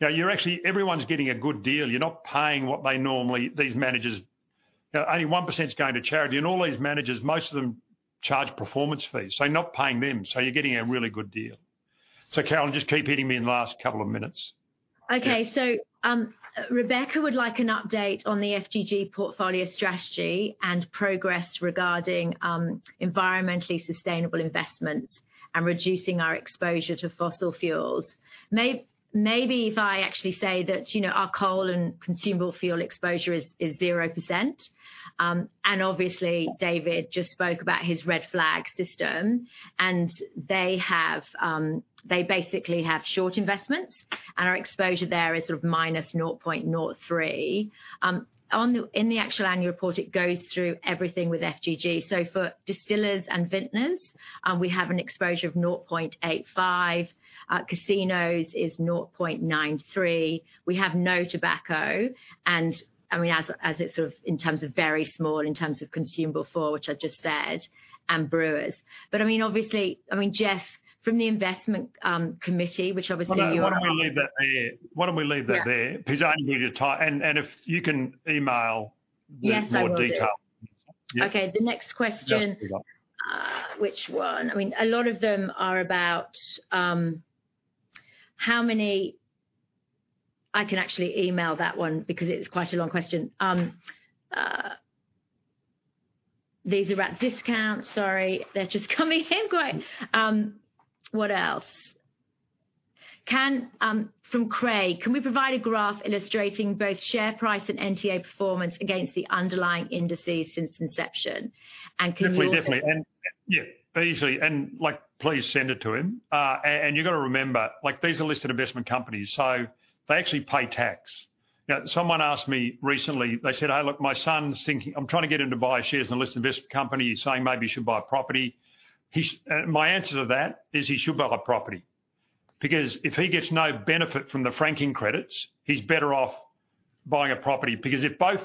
[SPEAKER 4] you're actually, everyone's getting a good deal. You're not paying what they normally, these managers, only 1% is going to charity. And all these managers, most of them charge performance fees. So you're not paying them. So you're getting a really good deal. So Caroline, just keep hitting me in the last couple of minutes.
[SPEAKER 1] OK. So Rebecca would like an update on the FGG portfolio strategy and progress regarding environmentally sustainable investments and reducing our exposure to fossil fuels. Maybe if I actually say that our coal and consumable fuel exposure is 0%. And obviously, David just spoke about his red flag system. And they basically have short investments. And our exposure there is sort of -0.03. In the actual annual report, it goes through everything with FGG. So for distillers and vintners, we have an exposure of 0.85. Casinos is 0.93. We have no tobacco. And I mean, as it's sort of in terms of very small in terms of consumable fuels, which I just said, and brewers. But I mean, obviously, I mean, Geoff, from the investment committee, which obviously you're.
[SPEAKER 4] Why don't we leave that there? Why don't we leave that there? Because I need you to type. And if you can email the more detail.
[SPEAKER 1] Yes, I will. OK. The next question, which one? I mean, a lot of them are about how many I can actually email that one because it's quite a long question. These are about discounts. Sorry. They're just coming in quite what else? From Craig, can we provide a graph illustrating both share price and NTA performance against the underlying indices since inception? And can you.
[SPEAKER 4] Definitely, definitely. Yeah, basically, please send it to him. You've got to remember, these are listed investment companies. So they actually pay tax. Someone asked me recently, they said, "Hey, look, my son's thinking I'm trying to get him to buy shares in a listed investment company saying maybe he should buy a property." My answer to that is he should buy a property. Because if he gets no benefit from the franking credits, he's better off buying a property. Because if both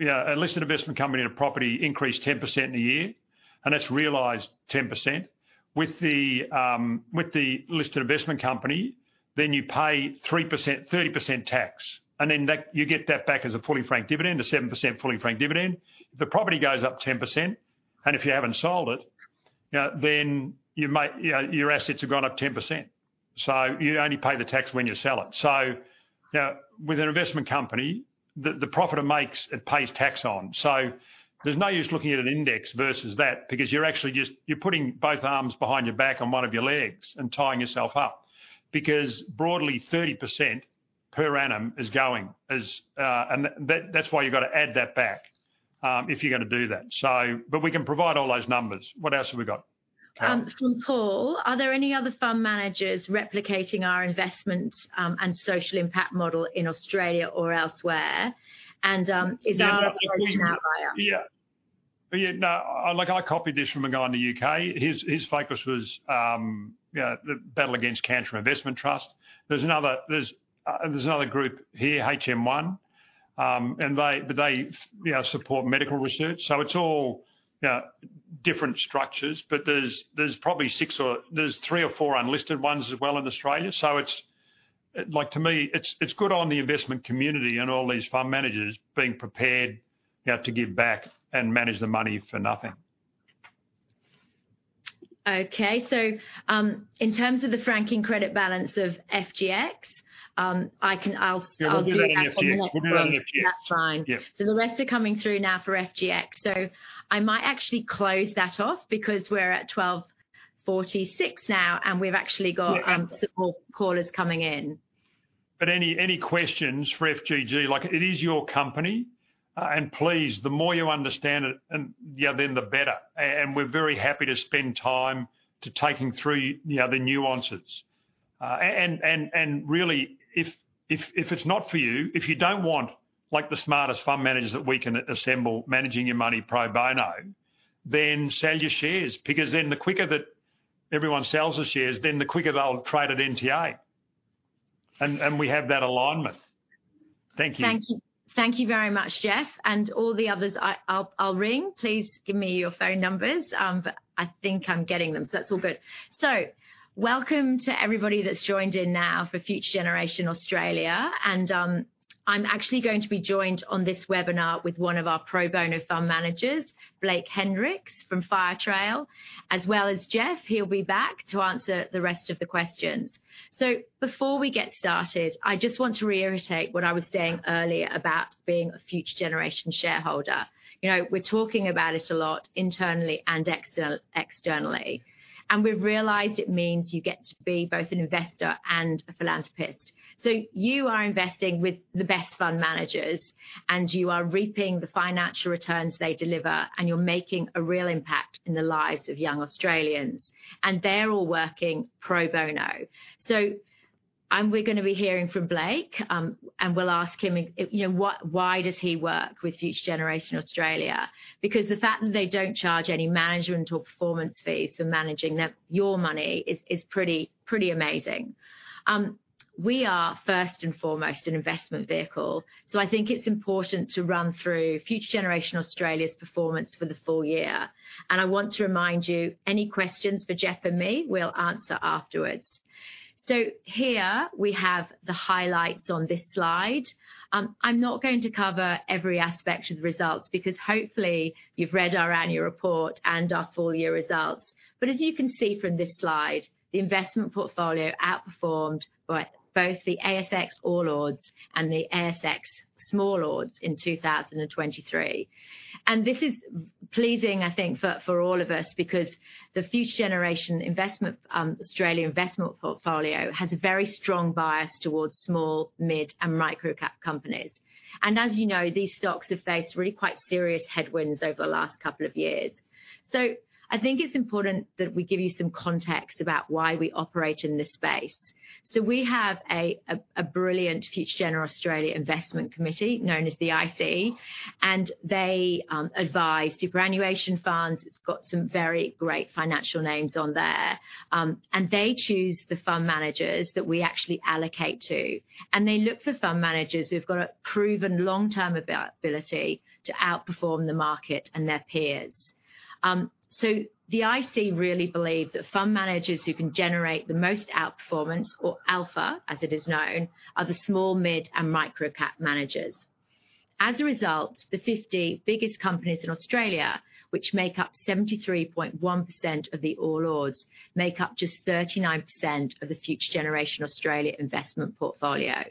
[SPEAKER 4] a listed investment company and a property increase 10% in a year, and that's realized 10%, with the listed investment company, then you pay 30% tax. And then you get that back as a fully franked dividend, a 7% fully franked dividend. If the property goes up 10%, and if you haven't sold it, then your assets have gone up 10%. So you only pay the tax when you sell it. So with an investment company, the profit it makes, it pays tax on. So there's no use looking at an index versus that. Because you're actually just, you're putting both arms behind your back on one of your legs and tying yourself up. Because broadly, 30% per annum is going. And that's why you've got to add that back if you're going to do that. But we can provide all those numbers. What else have we got?
[SPEAKER 1] From Paul, are there any other fund managers replicating our investment and social impact model in Australia or elsewhere? And is our investment outlier?
[SPEAKER 4] Yeah. Yeah. No, I copied this from a guy in the UK. His focus was the Battle Against Cancer Investment Trust. There's another group here, HM1. But they support medical research. So it's all different structures. But there's probably 6 or there's 3 or 4 unlisted ones as well in Australia. So to me, it's good on the investment community and all these fund managers being prepared to give back and manage the money for nothing.
[SPEAKER 1] Okay. So in terms of the franking credits balance of FGX, I'll do that on the other hand. That's fine. So the rest are coming through now for FGX. So I might actually close that off because we're at 12:46 now. And we've actually got some more callers coming in.
[SPEAKER 4] Any questions for FGG? It is your company. Please, the more you understand it, then the better. We're very happy to spend time talking through the nuances. Really, if it's not for you, if you don't want the smartest fund managers that we can assemble managing your money pro bono, then sell your shares. Because then the quicker that everyone sells the shares, then the quicker they'll trade at NTA. We have that alignment. Thank you.
[SPEAKER 1] Thank you very much, Geoff. All the others, I'll ring. Please give me your phone numbers. But I think I'm getting them. That's all good. Welcome to everybody that's joined in now for Future Generation Australia. I'm actually going to be joined on this webinar with one of our pro bono fund managers, Blake Hendricks from Firetrail, as well as Geoff. He'll be back to answer the rest of the questions. Before we get started, I just want to reiterate what I was saying earlier about being a Future Generation shareholder. We're talking about it a lot internally and externally. We've realized it means you get to be both an investor and a philanthropist. You are investing with the best fund managers. You are reaping the financial returns they deliver. You're making a real impact in the lives of young Australians. And they're all working pro bono. So we're going to be hearing from Blake. And we'll ask him, why does he work with Future Generation Australia? Because the fact that they don't charge any management or performance fees for managing your money is pretty amazing. We are, first and foremost, an investment vehicle. So I think it's important to run through Future Generation Australia's performance for the full year. And I want to remind you, any questions for Geoff and me, we'll answer afterwards. So here, we have the highlights on this slide. I'm not going to cover every aspect of the results because hopefully, you've read our annual report and our full year results. But as you can see from this slide, the investment portfolio outperformed both the ASX All Ordinaries and the ASX Small Ordinaries in 2023. This is pleasing, I think, for all of us because the Future Generation Australia investment portfolio has a very strong bias towards small, mid, and micro-cap companies. As you know, these stocks have faced really quite serious headwinds over the last couple of years. I think it's important that we give you some context about why we operate in this space. We have a brilliant Future Generation Australia investment committee known as the IC. They advise superannuation funds. It's got some very great financial names on there. They choose the fund managers that we actually allocate to. They look for fund managers who've got a proven long-term ability to outperform the market and their peers. The IC really believe that fund managers who can generate the most outperformance, or alpha, as it is known, are the small, mid, and micro-cap managers. As a result, the 50 biggest companies in Australia, which make up 73.1% of the All Ords, make up just 39% of the Future Generation Australia investment portfolio.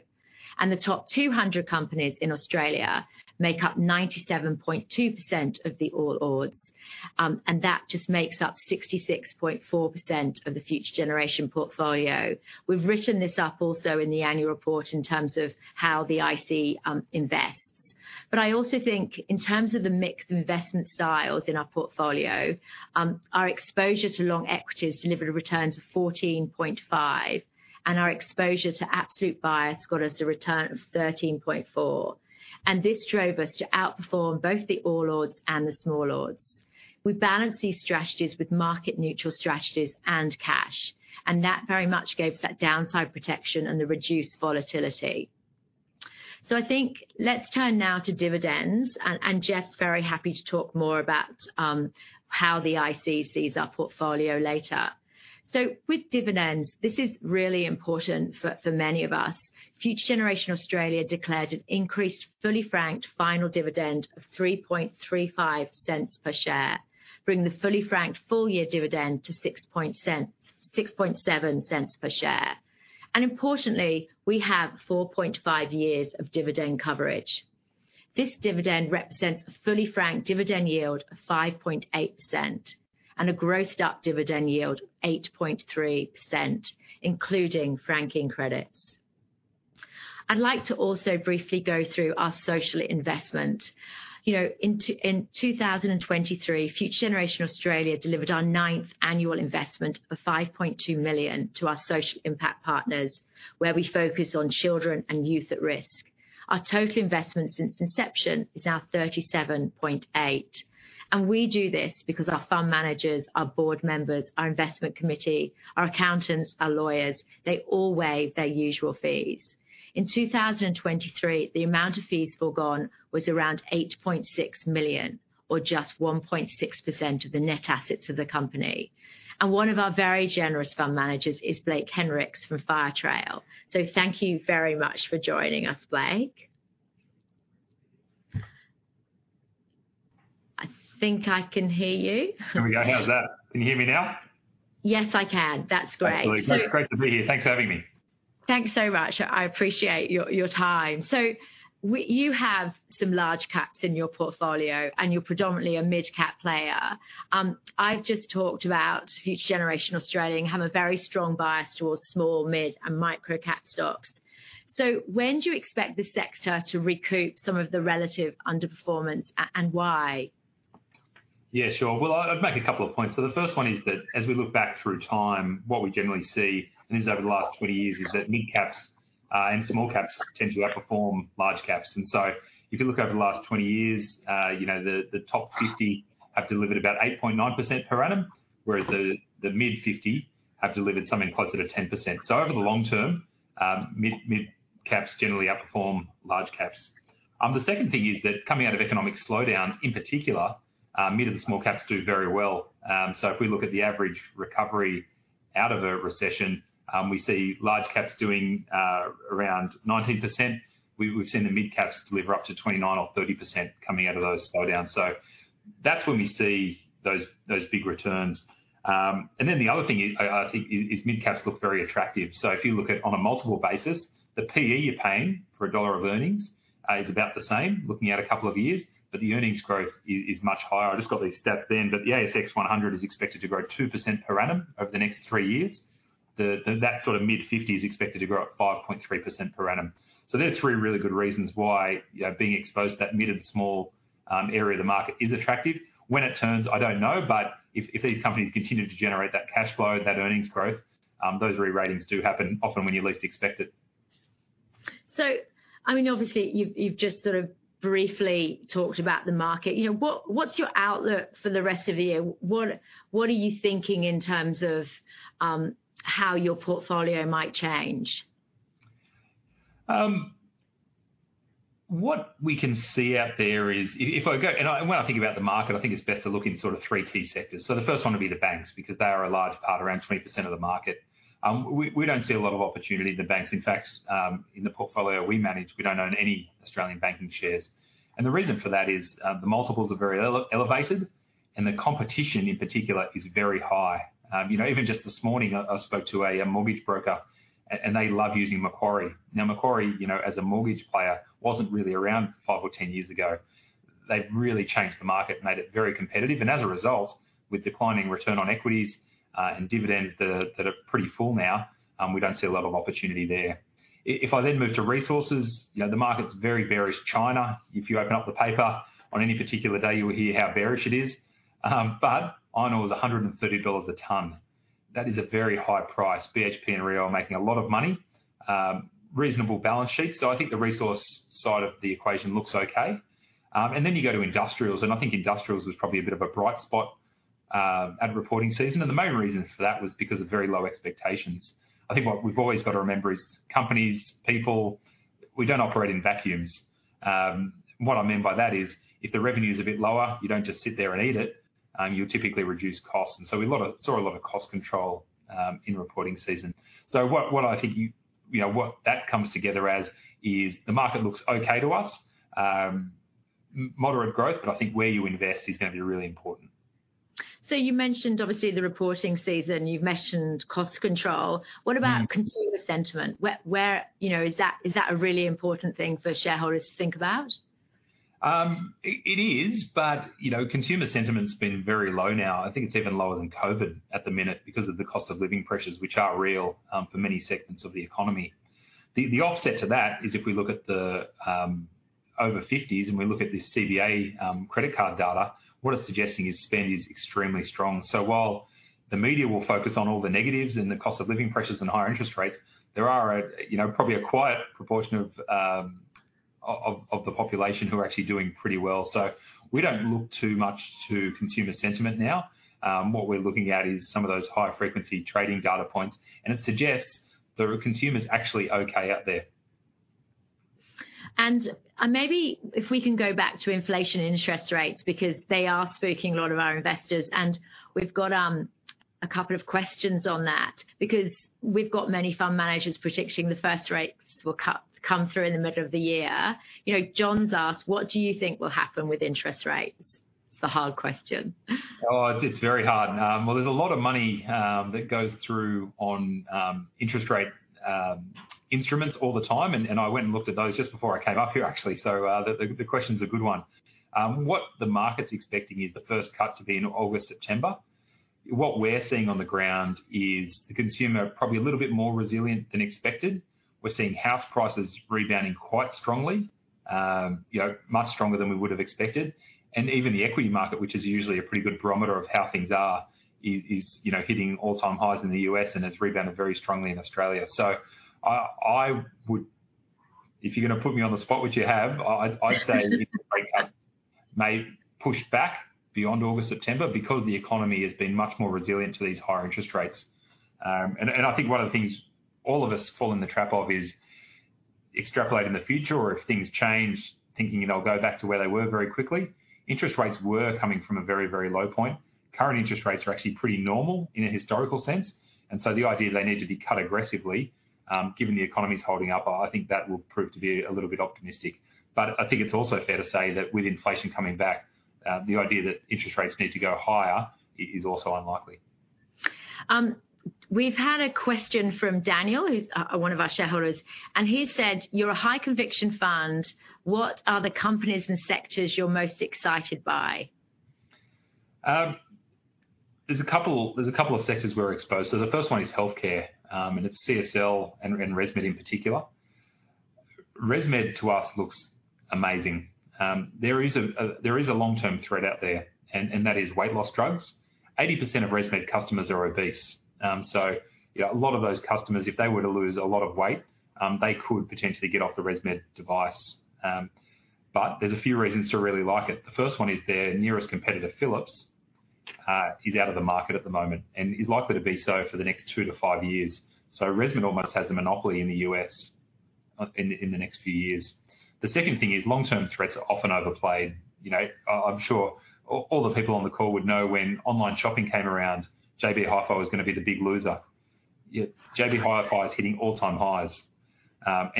[SPEAKER 1] The top 200 companies in Australia make up 97.2% of the All Ords. That just makes up 66.4% of the Future Generation portfolio. We've written this up also in the annual report in terms of how the IC invests. But I also think, in terms of the mix of investment styles in our portfolio, our exposure to long equities delivered returns of 14.5%. Our exposure to absolute bias got us a return of 13.4%. This drove us to outperform both the All Ords and the Small Ords. We balanced these strategies with market-neutral strategies and cash. That very much gave us that downside protection and the reduced volatility. So I think let's turn now to dividends. Geoff's very happy to talk more about how the IC sees our portfolio later. With dividends, this is really important for many of us. Future Generation Australia declared an increased fully franked final dividend of 0.0335 per share, bringing the fully franked full year dividend to 0.067 per share. And importantly, we have 4.5 years of dividend coverage. This dividend represents a fully franked dividend yield of 5.8% and a grossed-up dividend yield of 8.3%, including franking credits. I'd like to also briefly go through our social investment. In 2023, Future Generation Australia delivered our ninth annual investment of 5.2 million to our social impact partners, where we focus on children and youth at risk. Our total investment since inception is now 37.8 million. We do this because our fund managers, our board members, our investment committee, our accountants, our lawyers, they all waive their usual fees. In 2023, the amount of fees foregone was around 8.6 million, or just 1.6% of the net assets of the company. One of our very generous fund managers is Blake Henricks from Firetrail. So thank you very much for joining us, Blake. I think I can hear you.
[SPEAKER 5] There we go. How's that? Can you hear me now?
[SPEAKER 1] Yes, I can. That's great.
[SPEAKER 5] Excellent. Great to be here. Thanks for having me.
[SPEAKER 1] Thanks so much. I appreciate your time. You have some large caps in your portfolio. You're predominantly a mid-cap player. I've just talked about Future Generation Australia and have a very strong bias towards small, mid, and micro-cap stocks. When do you expect the sector to recoup some of the relative underperformance? And why?
[SPEAKER 5] Yeah, sure. Well, I'd make a couple of points. So the first one is that, as we look back through time, what we generally see, and this is over the last 20 years, is that mid-caps and small caps tend to outperform large caps. And so if you look over the last 20 years, the Top 50 have delivered about 8.9% per annum, whereas the Mid 50 have delivered something closer to 10%. So over the long term, mid-caps generally outperform large caps. The second thing is that, coming out of economic slowdowns in particular, mid and small caps do very well. So if we look at the average recovery out of a recession, we see large caps doing around 19%. We've seen the mid-caps deliver up to 29% or 30% coming out of those slowdowns. So that's when we see those big returns. And then the other thing, I think, is mid-caps look very attractive. So if you look at on a multiple basis, the PE you're paying for a dollar of earnings is about the same, looking at a couple of years. But the earnings growth is much higher. I just got these stats then. But the ASX 100 is expected to grow 2% per annum over the next three years. That sort of Mid 50 is expected to grow at 5.3% per annum. So there are three really good reasons why being exposed to that mid and small area of the market is attractive. When it turns, I don't know. But if these companies continue to generate that cash flow, that earnings growth, those reratings do happen often when you least expect it.
[SPEAKER 1] So I mean, obviously, you've just sort of briefly talked about the market. What's your outlook for the rest of the year? What are you thinking in terms of how your portfolio might change?
[SPEAKER 5] What we can see out there is, if I go and when I think about the market, I think it's best to look in sort of three key sectors. So the first one would be the banks because they are a large part, around 20% of the market. We don't see a lot of opportunity in the banks. In fact, in the portfolio we manage, we don't own any Australian banking shares. And the reason for that is the multiples are very elevated. And the competition, in particular, is very high. Even just this morning, I spoke to a mortgage broker. And they love using Macquarie. Now, Macquarie, as a mortgage player, wasn't really around 5 or 10 years ago. They've really changed the market, made it very competitive. As a result, with declining return on equities and dividends that are pretty full now, we don't see a lot of opportunity there. If I then move to resources, the market's very bearish. China, if you open up the paper, on any particular day, you'll hear how bearish it is. But iron ore is $130 a ton. That is a very high price. BHP and Rio are making a lot of money, reasonable balance sheets. So I think the resource side of the equation looks OK. Then you go to industrials. I think industrials was probably a bit of a bright spot at reporting season. The main reason for that was because of very low expectations. I think what we've always got to remember is companies, people, we don't operate in vacuums. What I mean by that is, if the revenue is a bit lower, you don't just sit there and eat it. You'll typically reduce costs. And so we saw a lot of cost control in reporting season. So what I think that comes together as is the market looks OK to us, moderate growth. But I think where you invest is going to be really important.
[SPEAKER 1] So you mentioned, obviously, the reporting season. You've mentioned cost control. What about consumer sentiment? Is that a really important thing for shareholders to think about?
[SPEAKER 5] It is. But consumer sentiment's been very low now. I think it's even lower than COVID at the minute because of the cost of living pressures, which are real for many segments of the economy. The offset to that is, if we look at the over 50s and we look at this CBA credit card data, what it's suggesting is spend is extremely strong. So while the media will focus on all the negatives and the cost of living pressures and higher interest rates, there are probably a quiet proportion of the population who are actually doing pretty well. So we don't look too much to consumer sentiment now. What we're looking at is some of those high-frequency trading data points. And it suggests that consumers are actually OK out there.
[SPEAKER 1] Maybe if we can go back to inflation and interest rates because they are spooking a lot of our investors. We've got a couple of questions on that because we've got many fund managers predicting the first rates will come through in the middle of the year. John's asked, what do you think will happen with interest rates? It's the hard question.
[SPEAKER 5] Oh, it's very hard. Well, there's a lot of money that goes through on interest rate instruments all the time. I went and looked at those just before I came up here, actually. So the question's a good one. What the market's expecting is the first cut to be in August, September. What we're seeing on the ground is the consumer probably a little bit more resilient than expected. We're seeing house prices rebounding quite strongly, much stronger than we would have expected. Even the equity market, which is usually a pretty good barometer of how things are, is hitting all-time highs in the U.S. It's rebounded very strongly in Australia. So if you're going to put me on the spot with your have, I'd say may push back beyond August, September because the economy has been much more resilient to these higher interest rates. I think one of the things all of us fall in the trap of is extrapolating the future or, if things change, thinking they'll go back to where they were very quickly. Interest rates were coming from a very, very low point. Current interest rates are actually pretty normal in a historical sense. And so the idea that they need to be cut aggressively, given the economy's holding up, I think that will prove to be a little bit optimistic. But I think it's also fair to say that, with inflation coming back, the idea that interest rates need to go higher is also unlikely.
[SPEAKER 1] We've had a question from Daniel, who's one of our shareholders. He said, you're a high-conviction fund. What are the companies and sectors you're most excited by?
[SPEAKER 5] There's a couple of sectors we're exposed to. The first one is healthcare. It's CSL and ResMed in particular. ResMed, to us, looks amazing. There is a long-term threat out there. That is weight loss drugs. 80% of ResMed customers are obese. So a lot of those customers, if they were to lose a lot of weight, they could potentially get off the ResMed device. But there's a few reasons to really like it. The first one is their nearest competitor, Philips, is out of the market at the moment and is likely to be so for the next 2-5 years. ResMed almost has a monopoly in the U.S. in the next few years. The second thing is long-term threats are often overplayed. I'm sure all the people on the call would know when online shopping came around, JB Hi-Fi was going to be the big loser. Yet JB Hi-Fi is hitting all-time highs.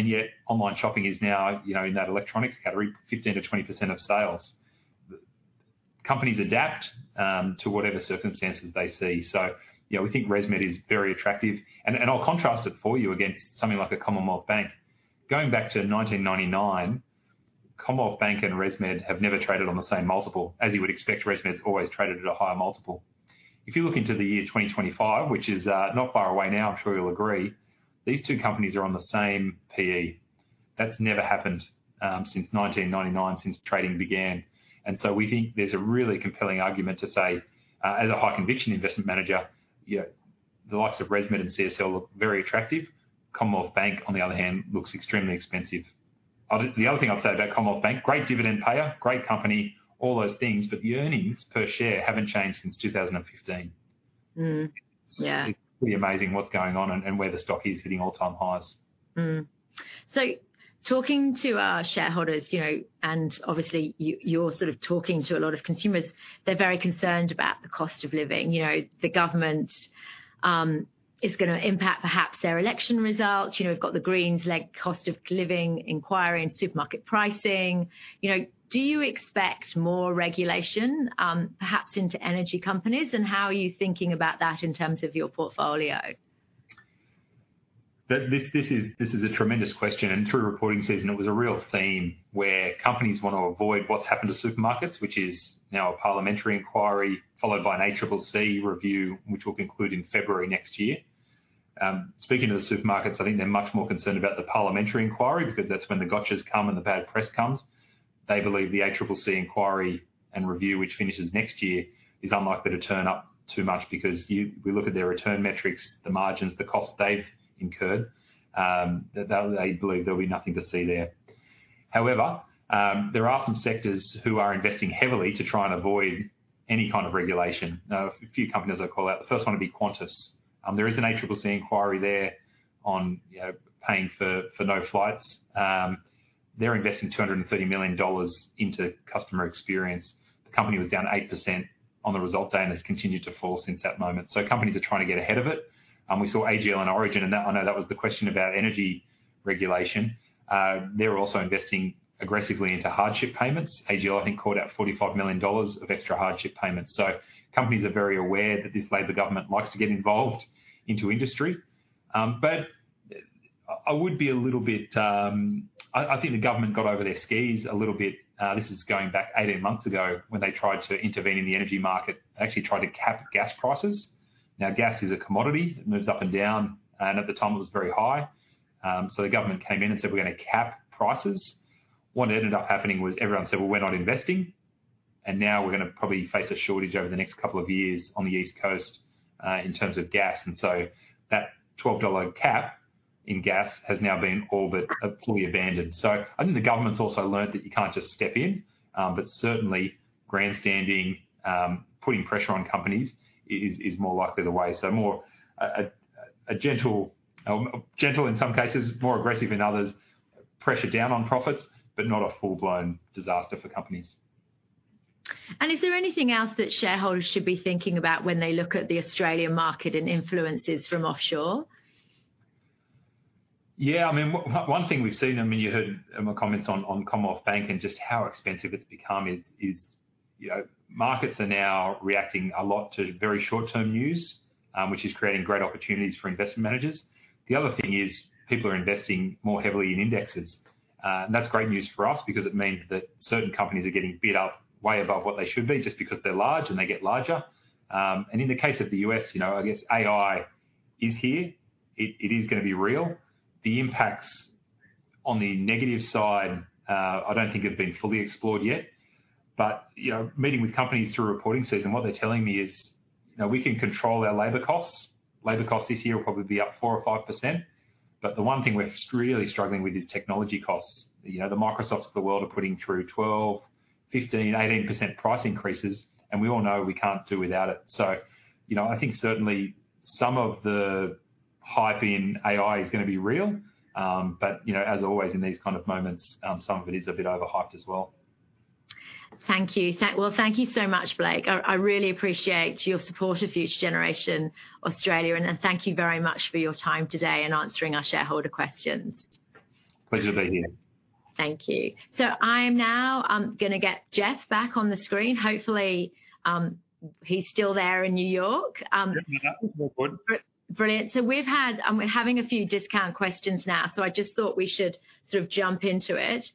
[SPEAKER 5] Yet online shopping is now in that electronics category, 15%-20% of sales. Companies adapt to whatever circumstances they see. We think ResMed is very attractive. I'll contrast it for you against something like a Commonwealth Bank. Going back to 1999, Commonwealth Bank and ResMed have never traded on the same multiple. As you would expect, ResMed's always traded at a higher multiple. If you look into the year 2025, which is not far away now, I'm sure you'll agree, these two companies are on the same PE. That's never happened since 1999, since trading began. So we think there's a really compelling argument to say, as a high-conviction investment manager, the likes of ResMed and CSL look very attractive. Commonwealth Bank, on the other hand, looks extremely expensive. The other thing I'd say about Commonwealth Bank, great dividend payer, great company, all those things. The earnings per share haven't changed since 2015. It's pretty amazing what's going on and where the stock is hitting all-time highs.
[SPEAKER 1] So talking to our shareholders and, obviously, you're sort of talking to a lot of consumers, they're very concerned about the cost of living. The government is going to impact, perhaps, their election results. We've got the Greens' cost of living inquiry and supermarket pricing. Do you expect more regulation, perhaps, into energy companies? And how are you thinking about that in terms of your portfolio?
[SPEAKER 5] This is a tremendous question. Through reporting season, it was a real theme where companies want to avoid what's happened to supermarkets, which is now a parliamentary inquiry, followed by an ACCC review, which will conclude in February next year. Speaking of the supermarkets, I think they're much more concerned about the parliamentary inquiry because that's when the gotchas come and the bad press comes. They believe the ACCC inquiry and review, which finishes next year, is unlikely to turn up too much because we look at their return metrics, the margins, the costs they've incurred. They believe there'll be nothing to see there. However, there are some sectors who are investing heavily to try and avoid any kind of regulation. A few companies I call out. The first one would be Qantas. There is an ACCC inquiry there on paying for no flights. They're investing 230 million dollars into customer experience. The company was down 8% on the result day and has continued to fall since that moment. So companies are trying to get ahead of it. We saw AGL and Origin. I know that was the question about energy regulation. They're also investing aggressively into hardship payments. AGL, I think, caught out 45 million dollars of extra hardship payments. So companies are very aware that this Labor government likes to get involved into industry. But I would be a little bit. I think the government got over their skis a little bit. This is going back 18 months ago when they tried to intervene in the energy market, actually tried to cap gas prices. Now, gas is a commodity. It moves up and down. And at the time, it was very high. So the government came in and said, "We're going to cap prices." What ended up happening was everyone said, "Well, we're not investing. And now we're going to probably face a shortage over the next couple of years on the East Coast in terms of gas." And so that 12 dollar cap in gas has now been all but fully abandoned. So I think the government's also learned that you can't just step in. But certainly, grandstanding, putting pressure on companies is more likely the way. So more gentle in some cases, more aggressive in others, pressure down on profits, but not a full-blown disaster for companies.
[SPEAKER 1] Is there anything else that shareholders should be thinking about when they look at the Australian market and influences from offshore?
[SPEAKER 5] Yeah. I mean, one thing we've seen, I mean, you heard my comments on Commonwealth Bank and just how expensive it's become. Markets are now reacting a lot to very short-term news, which is creating great opportunities for investment managers. The other thing is people are investing more heavily in indexes. And that's great news for us because it means that certain companies are getting bid up way above what they should be just because they're large and they get larger. And in the case of the U.S., I guess AI is here. It is going to be real. The impacts on the negative side, I don't think have been fully explored yet. But meeting with companies through reporting season, what they're telling me is we can control our labor costs. Labor costs this year will probably be up 4% or 5%. But the one thing we're really struggling with is technology costs. The Microsofts of the world are putting through 12%, 15%, 18% price increases. And we all know we can't do without it. So I think, certainly, some of the hype in AI is going to be real. But as always, in these kind of moments, some of it is a bit overhyped as well.
[SPEAKER 1] Thank you. Well, thank you so much, Blake. I really appreciate your support of Future Generation Australia. And thank you very much for your time today and answering our shareholder questions.
[SPEAKER 5] Pleasure to be here.
[SPEAKER 1] Thank you. So I'm now going to get Geoff back on the screen. Hopefully, he's still there in New York. Brilliant. So we're having a few discount questions now. So I just thought we should sort of jump into it.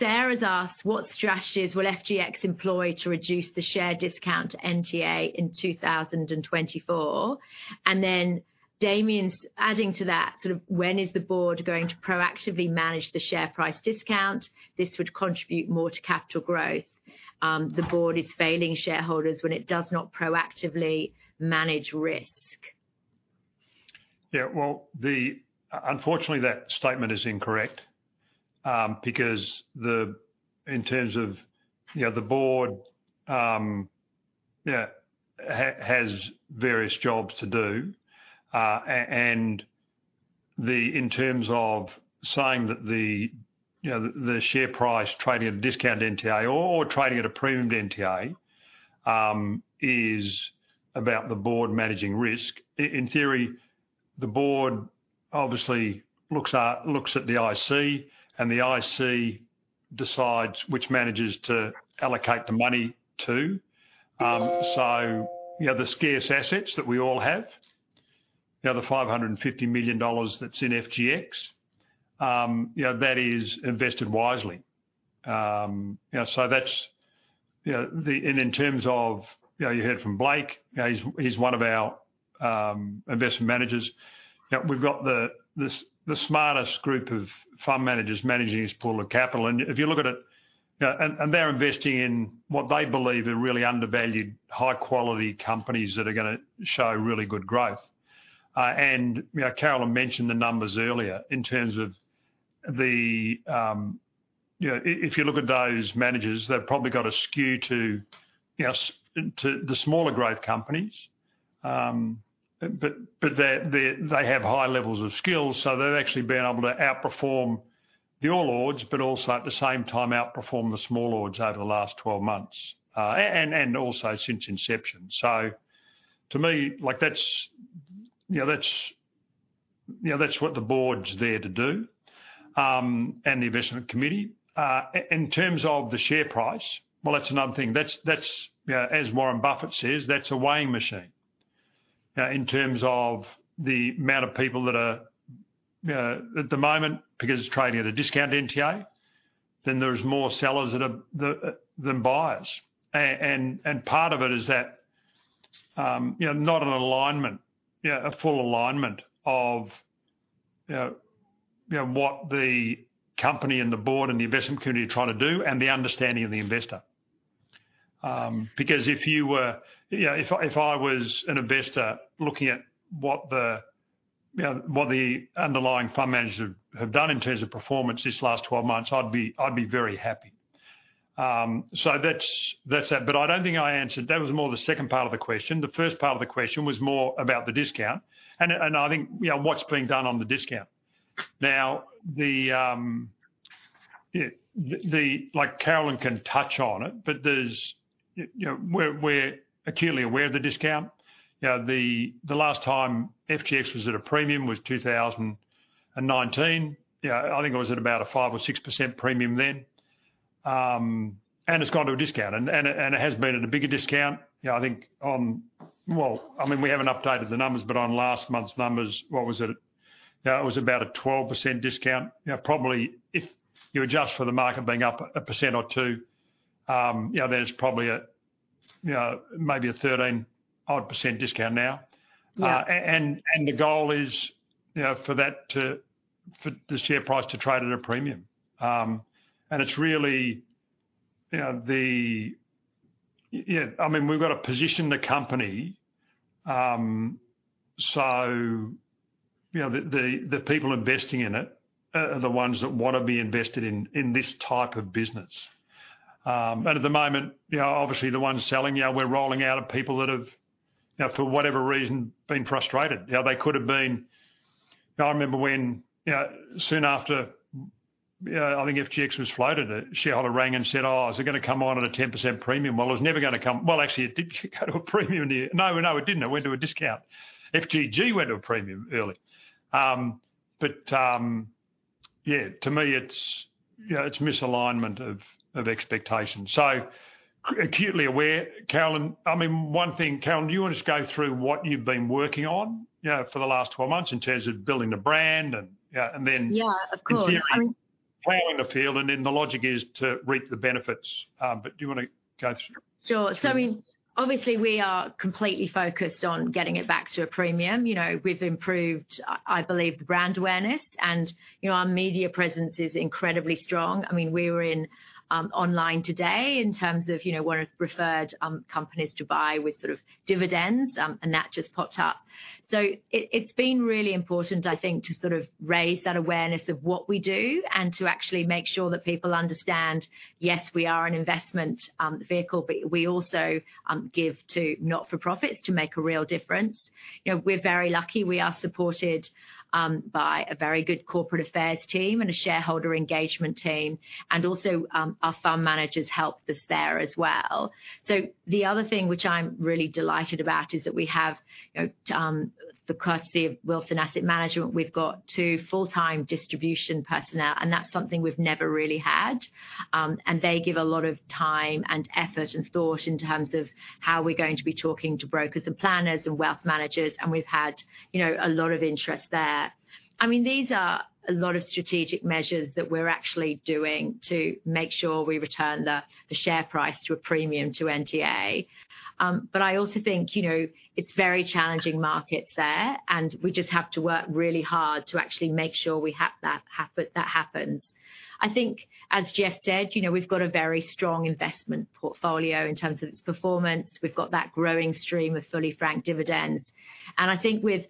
[SPEAKER 1] Sarah's asked, what strategies will FGX employ to reduce the share discount to NTA in 2024? And then Damien's adding to that, sort of when is the board going to proactively manage the share price discount? This would contribute more to capital growth. The board is failing shareholders when it does not proactively manage risk.
[SPEAKER 4] Yeah. Well, unfortunately, that statement is incorrect. Because in terms of the board, yeah, has various jobs to do. And in terms of saying that the share price trading at a discount NTA or trading at a premium NTA is about the board managing risk, in theory, the board obviously looks at the IC. And the IC decides which managers to allocate the money to. So the scarce assets that we all have, the 550 million dollars that's in FGX, that is invested wisely. And in terms of you heard from Blake, he's one of our investment managers. We've got the smartest group of fund managers managing his pool of capital. And if you look at it, and they're investing in what they believe are really undervalued, high-quality companies that are going to show really good growth. And Caroline mentioned the numbers earlier. In terms of if you look at those managers, they've probably got a skew to the smaller growth companies. But they have high levels of skills. So they've actually been able to outperform the All Ordinaries, but also, at the same time, outperform the Small Ordinaries over the last 12 months and also since inception. So to me, that's what the board's there to do and the investment committee. In terms of the share price, well, that's another thing. As Warren Buffett says, that's a weighing machine. In terms of the amount of people that are at the moment, because it's trading at a discount NTA, then there's more sellers than buyers. And part of it is that not an alignment, a full alignment of what the company and the board and the investment committee are trying to do and the understanding of the investor. Because if I was an investor looking at what the underlying fund managers have done in terms of performance these last 12 months, I'd be very happy. So that's that. But I don't think I answered that. That was more the second part of the question. The first part of the question was more about the discount. And I think what's being done on the discount. Now, Caroline can touch on it. But we're acutely aware of the discount. The last time FGX was at a premium was 2019. I think it was at about a 5% or 6% premium then. And it's gone to a discount. And it has been at a bigger discount. I think on, well, I mean, we haven't updated the numbers. But on last month's numbers, what was it? It was about a 12% discount. Probably, if you adjust for the market being up 1% or 2%, then it's probably maybe a 13% discount now. And the goal is for the share price to trade at a premium. And it's really the yeah. I mean, we've got to position the company so the people investing in it are the ones that want to be invested in this type of business. And at the moment, obviously, the ones selling, we're rolling out of people that have, for whatever reason, been frustrated. They could have been. I remember when soon after, I think FGX was floated, a shareholder rang and said, "Oh, is it going to come on at a 10% premium?" Well, it was never going to come well, actually, it did go to a premium in the year. No, no, it didn't. It went to a discount. FGG went to a premium early. But yeah, to me, it's misalignment of expectations. So acutely aware, Caroline. I mean, one thing, Caroline, do you want to just go through what you've been working on for the last 12 months in terms of building the brand and then prowling the field? And then the logic is to reap the benefits. But do you want to go through?
[SPEAKER 1] Sure. So I mean, obviously, we are completely focused on getting it back to a premium. We've improved, I believe, the brand awareness. And our media presence is incredibly strong. I mean, we were online today in terms of one of the preferred companies to buy with sort of dividends. And that just popped up. So it's been really important, I think, to sort of raise that awareness of what we do and to actually make sure that people understand, yes, we are an investment vehicle. But we also give to not-for-profits to make a real difference. We're very lucky. We are supported by a very good corporate affairs team and a shareholder engagement team. And also, our fund managers help us there as well. So the other thing which I'm really delighted about is that we have, at the courtesy of Wilson Asset Management, we've got two full-time distribution personnel. And that's something we've never really had. And they give a lot of time and effort and thought in terms of how we're going to be talking to brokers and planners and wealth managers. And we've had a lot of interest there. I mean, these are a lot of strategic measures that we're actually doing to make sure we return the share price to a premium to NTA. But I also think it's very challenging markets there. And we just have to work really hard to actually make sure that happens. I think, as Geoff said, we've got a very strong investment portfolio in terms of its performance. We've got that growing stream of fully franked dividends. I think with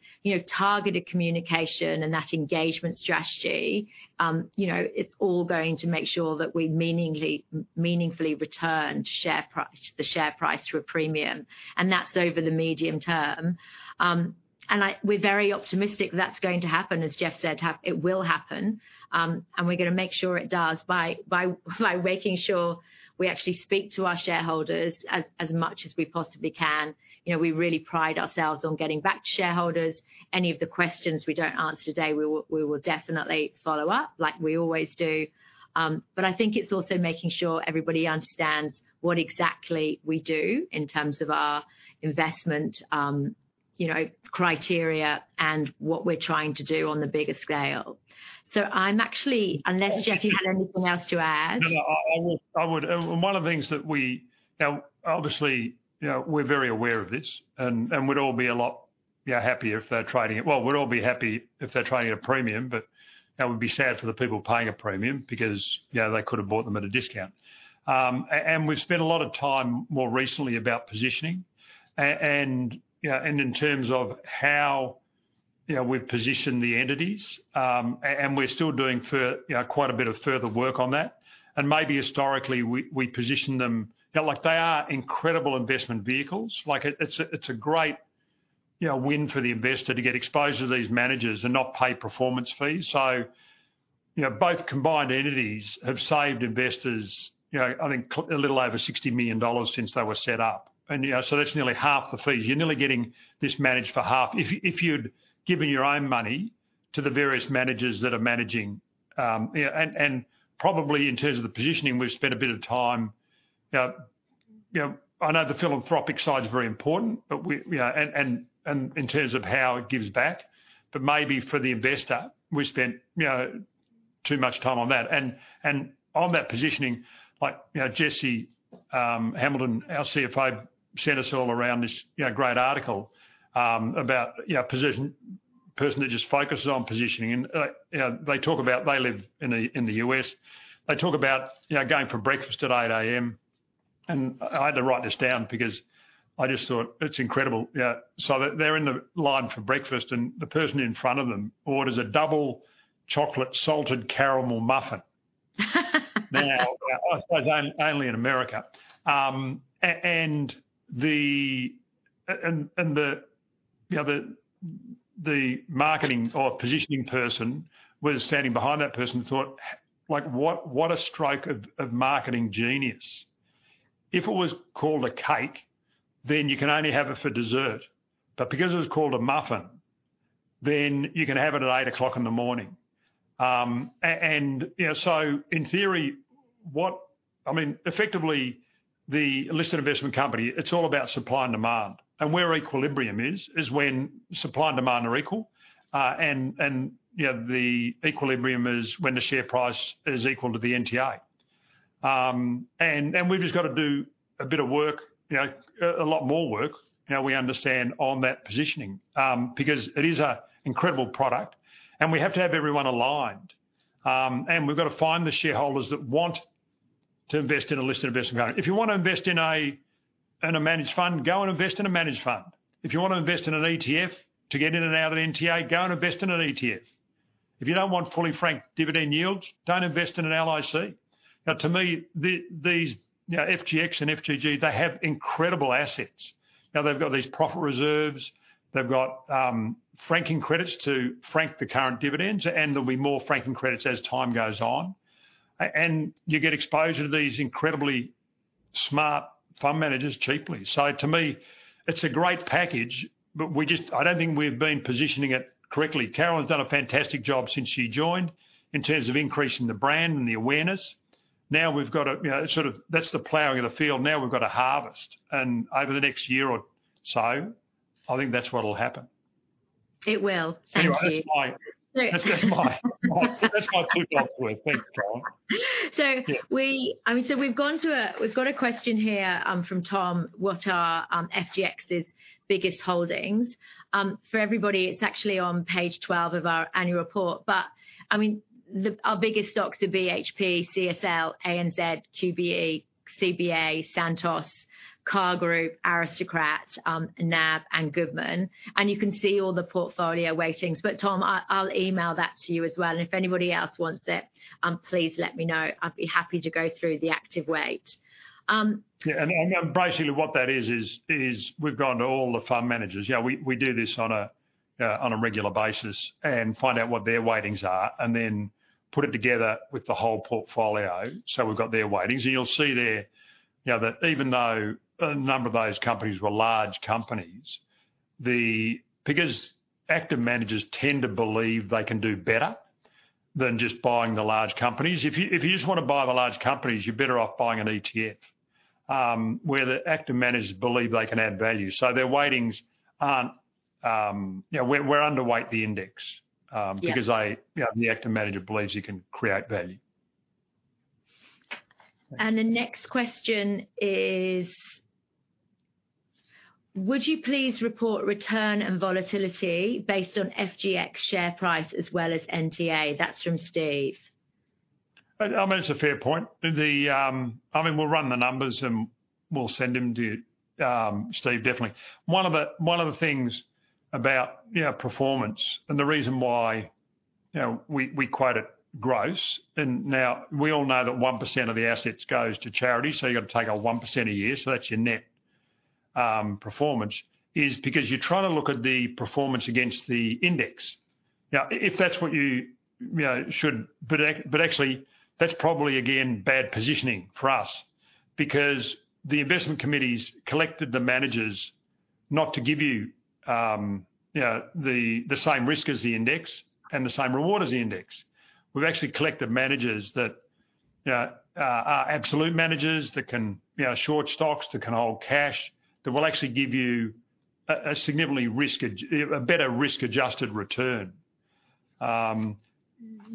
[SPEAKER 1] targeted communication and that engagement strategy, it's all going to make sure that we meaningfully return the share price to a premium. That's over the medium term. We're very optimistic that that's going to happen. As Geoff said, it will happen. We're going to make sure it does by making sure we actually speak to our shareholders as much as we possibly can. We really pride ourselves on getting back to shareholders. Any of the questions we don't answer today, we will definitely follow up like we always do. But I think it's also making sure everybody understands what exactly we do in terms of our investment criteria and what we're trying to do on the bigger scale. So, I'm actually unless, Geoff, you had anything else to add.
[SPEAKER 4] No, no. I would. And one of the things that we obviously, we're very aware of this. And we'd all be a lot happier if they're trading it well. We'd all be happy if they're trading at a premium. But it would be sad for the people paying a premium because they could have bought them at a discount. And we've spent a lot of time more recently about positioning. And in terms of how we've positioned the entities, and we're still doing quite a bit of further work on that. And maybe historically, we positioned them they are incredible investment vehicles. It's a great win for the investor to get exposure to these managers and not pay performance fees. So both combined entities have saved investors, I think, a little over 60 million dollars since they were set up. And so that's nearly half the fees. You're nearly getting this managed for half if you'd given your own money to the various managers that are managing. And probably, in terms of the positioning, we've spent a bit of time. I know the philanthropic side's very important. And in terms of how it gives back. But maybe for the investor, we spent too much time on that. And on that positioning, Jesse Hamilton, our CFO, sent us all around this great article about a person that just focuses on positioning. And they talk about. They live in the U.S. They talk about going for breakfast at 8:00 A.M. And I had to write this down because I just thought, it's incredible. So they're in the line for breakfast. And the person in front of them orders a double chocolate salted caramel muffin. Now, that's only in America. And the marketing or positioning person was standing behind that person and thought, what a stroke of marketing genius. If it was called a cake, then you can only have it for dessert. But because it was called a muffin, then you can have it at 8:00 A.M. And so in theory, what I mean, effectively, the Listed Investment Company, it's all about supply and demand. And where equilibrium is is when supply and demand are equal. And the equilibrium is when the share price is equal to the NTA. And we've just got to do a bit of work, a lot more work, we understand, on that positioning. Because it is an incredible product. And we have to have everyone aligned. And we've got to find the shareholders that want to invest in a Listed Investment Company. If you want to invest in a managed fund, go and invest in a managed fund. If you want to invest in an ETF to get in and out of the NTA, go and invest in an ETF. If you don't want fully franked dividend yields, don't invest in an LIC. Now, to me, these FGX and FGG, they have incredible assets. Now, they've got these profits reserves. They've got franking credits to frank the current dividends. And there'll be more franking credits as time goes on. And you get exposure to these incredibly smart fund managers cheaply. So to me, it's a great package. But I don't think we've been positioning it correctly. Caroline's done a fantastic job since she joined in terms of increasing the brand and the awareness. Now, we've got a sort of that's the plowing of the field. Now, we've got a harvest. Over the next year or so, I think that's what'll happen.
[SPEAKER 1] It will. Thank you.
[SPEAKER 4] Anyway, that's my two cents worth. Thanks, Caroline.
[SPEAKER 1] So I mean, so we've got a question here from Tom. What are FGX's biggest holdings? For everybody, it's actually on page 12 of our annual report. But I mean, our biggest stocks are BHP, CSL, ANZ, QBE, CBA, Santos, CAR Group, Aristocrat, NAB, and Goodman. And you can see all the portfolio weightings. But Tom, I'll email that to you as well. And if anybody else wants it, please let me know. I'd be happy to go through the active weight.
[SPEAKER 4] Yeah. Basically, what that is, is we've gone to all the fund managers. We do this on a regular basis and find out what their weightings are and then put it together with the whole portfolio. So we've got their weightings. And you'll see there that even though a number of those companies were large companies, because active managers tend to believe they can do better than just buying the large companies, if you just want to buy the large companies, you're better off buying an ETF where the active managers believe they can add value. So their weightings aren't. We're underweight the index because the active manager believes he can create value.
[SPEAKER 1] The next question is, would you please report return and volatility based on FGX share price as well as NTA? That's from Steve.
[SPEAKER 4] I mean, it's a fair point. I mean, we'll run the numbers. We'll send them to Steve definitely. One of the things about performance and the reason why we quote it gross, and now, we all know that 1% of the assets goes to charity. So you've got to take a 1% a year. So that's your net performance is because you're trying to look at the performance against the index. Now, if that's what you should but actually, that's probably, again, bad positioning for us. Because the investment committees collected the managers not to give you the same risk as the index and the same reward as the index. We've actually collected managers that are absolute managers that can short stocks, that can hold cash, that will actually give you a significantly better risk-adjusted return.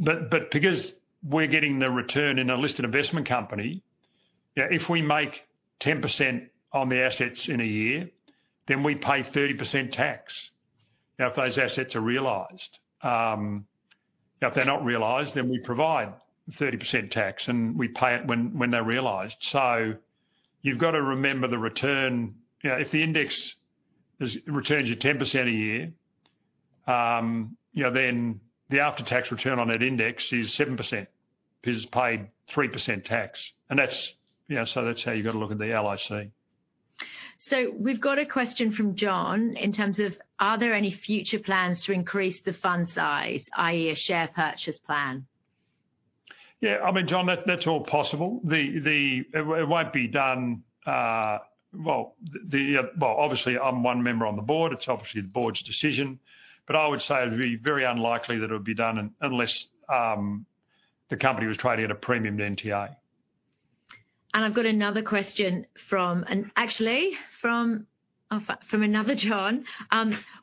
[SPEAKER 4] Because we're getting the return in a listed investment company, if we make 10% on the assets in a year, then we pay 30% tax if those assets are realized. If they're not realized, then we provide 30% tax. And we pay it when they're realized. So you've got to remember the return. If the index returns you 10% a year, then the after-tax return on that index is 7% because it's paid 3% tax. And so that's how you've got to look at the LIC.
[SPEAKER 1] So we've got a question from John in terms of, are there any future plans to increase the fund size, i.e., a share purchase plan?
[SPEAKER 4] Yeah. I mean, John, that's all possible. It won't be done well, obviously, I'm one member on the board. It's obviously the board's decision. But I would say it'd be very unlikely that it would be done unless the company was trading at a premium NTA.
[SPEAKER 1] I've got another question from actually, from another John.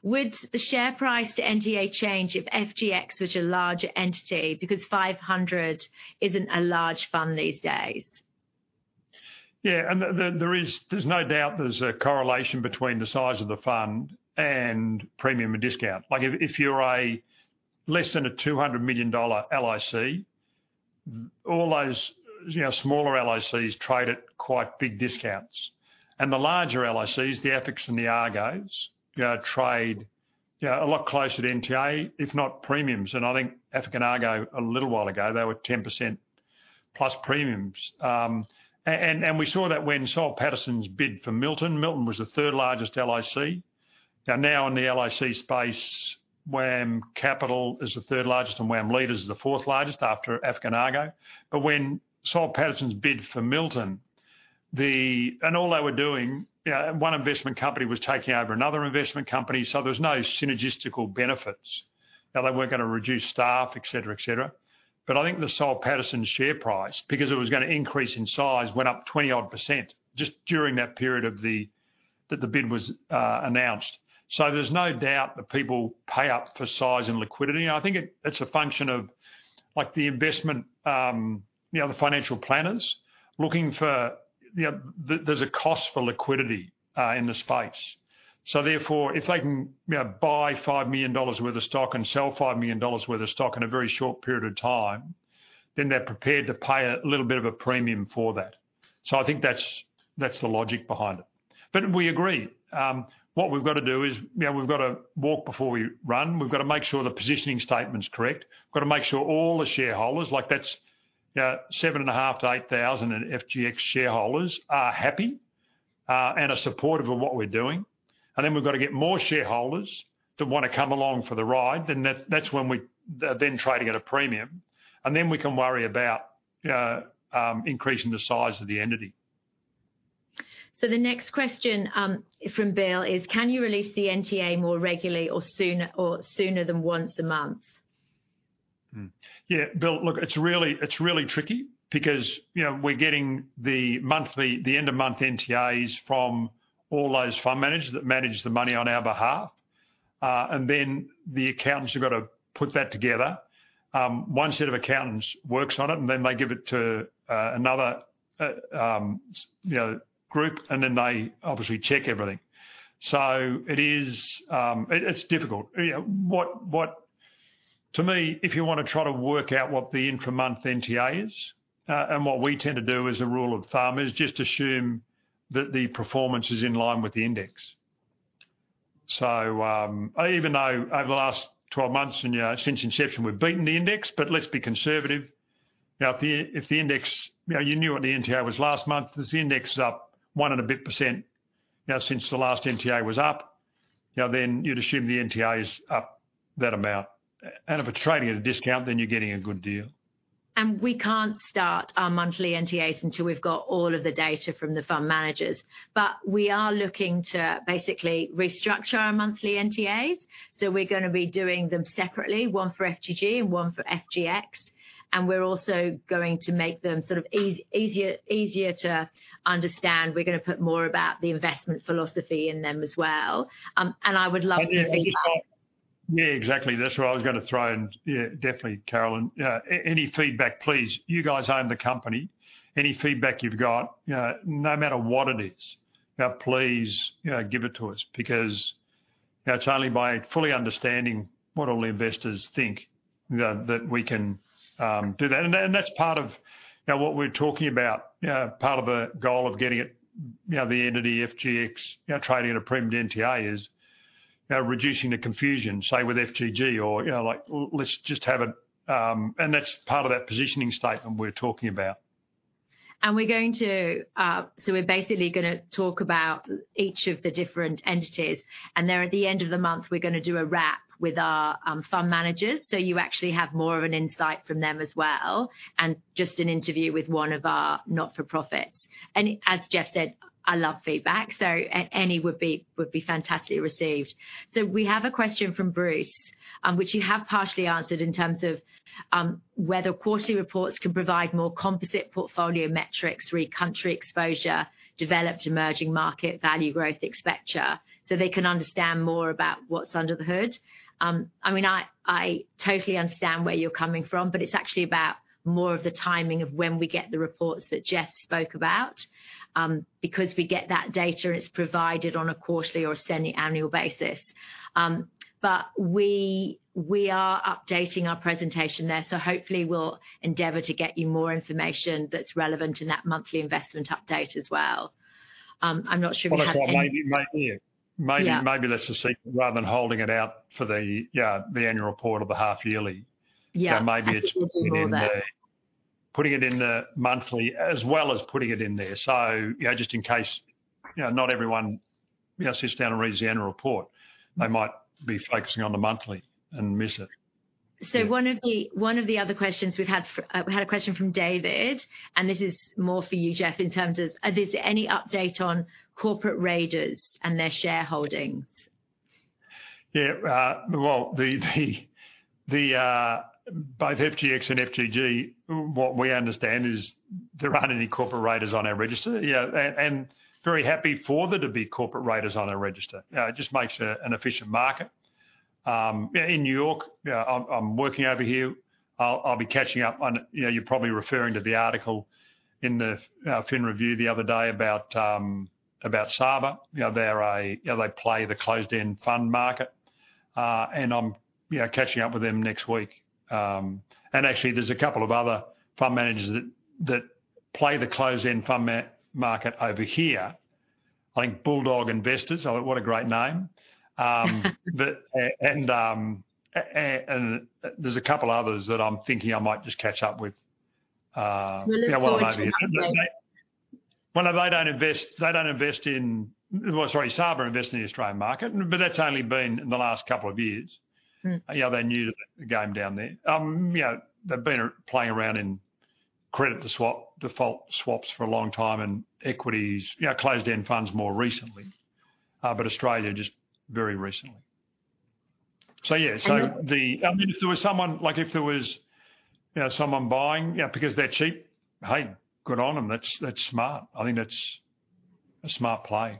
[SPEAKER 1] Would the share price to NTA change if FGX was a larger entity? Because 500 isn't a large fund these days.
[SPEAKER 4] Yeah. There's no doubt there's a correlation between the size of the fund and premium and discount. If you're less than 200 million dollar LIC, all those smaller LICs trade at quite big discounts. The larger LICs, the AFICs and the Argos, trade a lot closer to NTA, if not premiums. I think AFIC and Argo, a little while ago, they were 10%+ premiums. We saw that when Soul Pattinson's bid for Milton. Milton was the third largest LIC. Now, on the LIC space, WAM Capital is the third largest. WAM Leaders is the fourth largest after AFIC and Argo. But when Soul Pattinson's bid for Milton and all they were doing, one investment company was taking over another investment company. There's no synergistic benefits. They weren't going to reduce staff, et cetera, et cetera. But I think the Soul Pattinson share price, because it was going to increase in size, went up 20-odd% just during that period that the bid was announced. So there's no doubt that people pay up for size and liquidity. And I think it's a function of the investment, the financial planners looking for there's a cost for liquidity in the space. So therefore, if they can buy 5 million dollars worth of stock and sell 5 million dollars worth of stock in a very short period of time, then they're prepared to pay a little bit of a premium for that. So I think that's the logic behind it. But we agree. What we've got to do is we've got to walk before we run. We've got to make sure the positioning statement's correct. We've got to make sure all the shareholders, that's 7,500-8,000 in FGX shareholders, are happy and are supportive of what we're doing. And then we've got to get more shareholders that want to come along for the ride. And then we are then trading at a premium. And then we can worry about increasing the size of the entity.
[SPEAKER 1] The next question from Bill is, can you release the NTA more regularly or sooner than once a month?
[SPEAKER 4] Yeah. Bill, look, it's really tricky because we're getting the end-of-month NTAs from all those fund managers that manage the money on our behalf. Then the accountants have got to put that together. One set of accountants works on it. Then they give it to another group. Then they obviously check everything. It's difficult. To me, if you want to try to work out what the end-of-month NTA is and what we tend to do as a rule of thumb is just assume that the performance is in line with the index. Even though over the last 12 months and since inception, we've beaten the index, but let's be conservative. Now, if the index you knew what the NTA was last month, if the index is up 1% and a bit since the last NTA was up, then you'd assume the NTA is up that amount. And if we're trading at a discount, then you're getting a good deal.
[SPEAKER 1] We can't start our monthly NTAs until we've got all of the data from the fund managers. But we are looking to basically restructure our monthly NTAs. So we're going to be doing them separately, one for FGG and one for FGX. And we're also going to make them sort of easier to understand. We're going to put more about the investment philosophy in them as well. And I would love to see that.
[SPEAKER 4] Yeah, exactly. That's what I was going to throw in. Definitely, Caroline. Any feedback, please. You guys own the company. Any feedback you've got, no matter what it is, please give it to us. Because it's only by fully understanding what all the investors think that we can do that. And that's part of what we're talking about, part of the goal of getting the entity FGX trading at a premium NTA is reducing the confusion, say, with FGG. Or let's just have it and that's part of that positioning statement we're talking about.
[SPEAKER 1] We're basically going to talk about each of the different entities. There, at the end of the month, we're going to do a wrap with our fund managers. You actually have more of an insight from them as well and just an interview with one of our not-for-profits. As Geoff said, I love feedback. Any would be fantastically received. We have a question from Bruce, which you have partially answered in terms of whether quarterly reports can provide more composite portfolio metrics, re-country exposure, developed emerging market value growth exposures so they can understand more about what's under the hood. I mean, I totally understand where you're coming from. It's actually about more of the timing of when we get the reports that Geoff spoke about. Because we get that data. It's provided on a quarterly or semi-annual basis. We are updating our presentation there. Hopefully, we'll endeavor to get you more information that's relevant in that monthly investment update as well. I'm not sure we had any.
[SPEAKER 4] Well, that's what I mean. Maybe let's just see rather than holding it out for the annual report or the half-yearly.
[SPEAKER 1] Yeah. We'll do that.
[SPEAKER 4] Maybe it's putting it in the monthly as well as putting it in there. So just in case not everyone sits down and reads the annual report, they might be focusing on the monthly and miss it.
[SPEAKER 1] So one of the other questions we've had a question from David. This is more for you, Geoff, in terms of, is there any update on corporate raiders and their shareholdings?
[SPEAKER 4] Yeah. Well, both FGX and FGG, what we understand is there aren't any corporate raiders on our register. And very happy for there to be corporate raiders on our register. It just makes an efficient market. In New York, I'm working over here. I'll be catching up on you're probably referring to the article in the Fin Review the other day about Saba. They play the closed-end fund market. And I'm catching up with them next week. And actually, there's a couple of other fund managers that play the closed-end fund market over here, I think Bulldog Investors. What a great name. And there's a couple others that I'm thinking I might just catch up with.
[SPEAKER 1] We'll list them to you as well.
[SPEAKER 4] Well, no, they don't invest in well, sorry, Saba invests in the Australian market. But that's only been in the last couple of years. They're new to the game down there. They've been playing around in credit default swaps for a long time and equities, closed-end funds more recently. But Australia, just very recently. So yeah. So I mean, if there was someone buying because they're cheap, hey, good on them. That's smart. I think that's a smart play.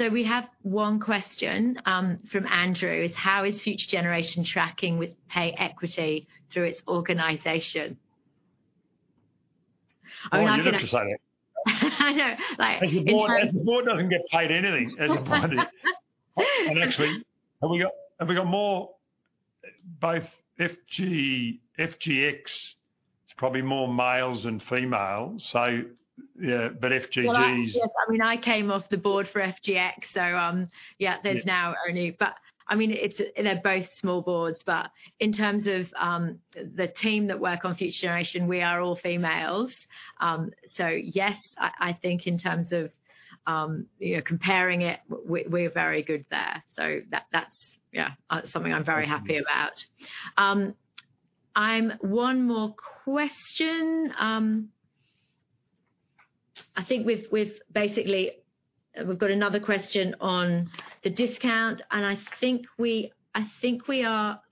[SPEAKER 1] So we have one question from Andrew is, how is Future Generation tracking with pay equity through its organization? I'm asking that.
[SPEAKER 4] Well, you're not to say that.
[SPEAKER 1] I know.
[SPEAKER 4] As the board doesn't get paid anything. Actually, have we got more both FGX; it's probably more males and females. FGG's.
[SPEAKER 1] Well, I mean, I came off the board for FGX. So yeah, there's now only but I mean, they're both small boards. But in terms of the team that work on Future Generation, we are all females. So yes, I think in terms of comparing it, we're very good there. So that's something I'm very happy about. One more question. I think we've basically we've got another question on the discount. And I think we are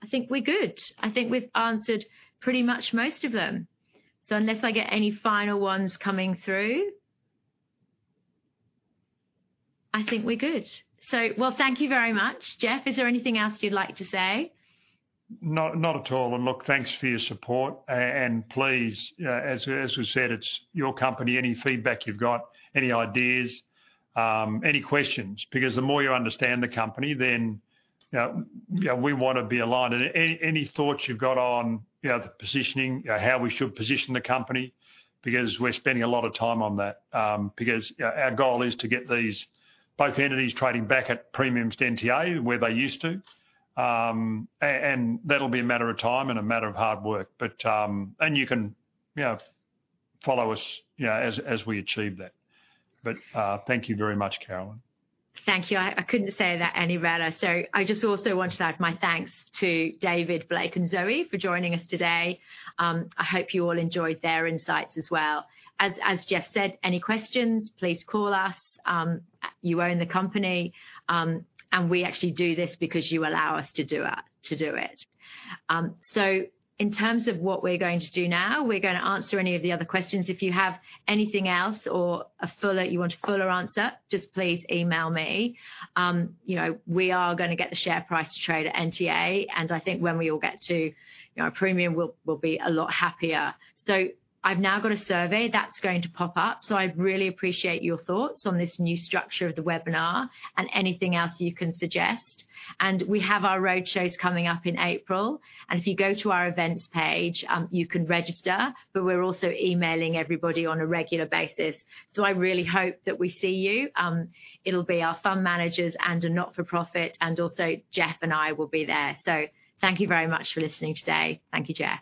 [SPEAKER 1] I think we're good. I think we've answered pretty much most of them. So unless I get any final ones coming through, I think we're good. So well, thank you very much, Geoff. Is there anything else you'd like to say?
[SPEAKER 4] Not at all. And look, thanks for your support. And please, as we said, it's your company, any feedback you've got, any ideas, any questions. Because the more you understand the company, then we want to be aligned. And any thoughts you've got on the positioning, how we should position the company because we're spending a lot of time on that. Because our goal is to get both entities trading back at premiums NTA where they used to. And that'll be a matter of time and a matter of hard work. And you can follow us as we achieve that. But thank you very much, Caroline.
[SPEAKER 1] Thank you. I couldn't say that any better. So I just also want to thank my thanks to David Blake and Zoe for joining us today. I hope you all enjoyed their insights as well. As Geoff said, any questions? Please call us. You own the company. And we actually do this because you allow us to do it. So in terms of what we're going to do now, we're going to answer any of the other questions. If you have anything else or you want a fuller answer, just please email me. We are going to get the share price to trade at NTA. And I think when we all get to a premium, we'll be a lot happier. So I've now got a survey that's going to pop up. So I really appreciate your thoughts on this new structure of the webinar and anything else you can suggest. We have our roadshows coming up in April. If you go to our events page, you can register. We're also emailing everybody on a regular basis. I really hope that we see you. It'll be our fund managers and a not-for-profit. Also, Geoff and I will be there. Thank you very much for listening today. Thank you, Geoff.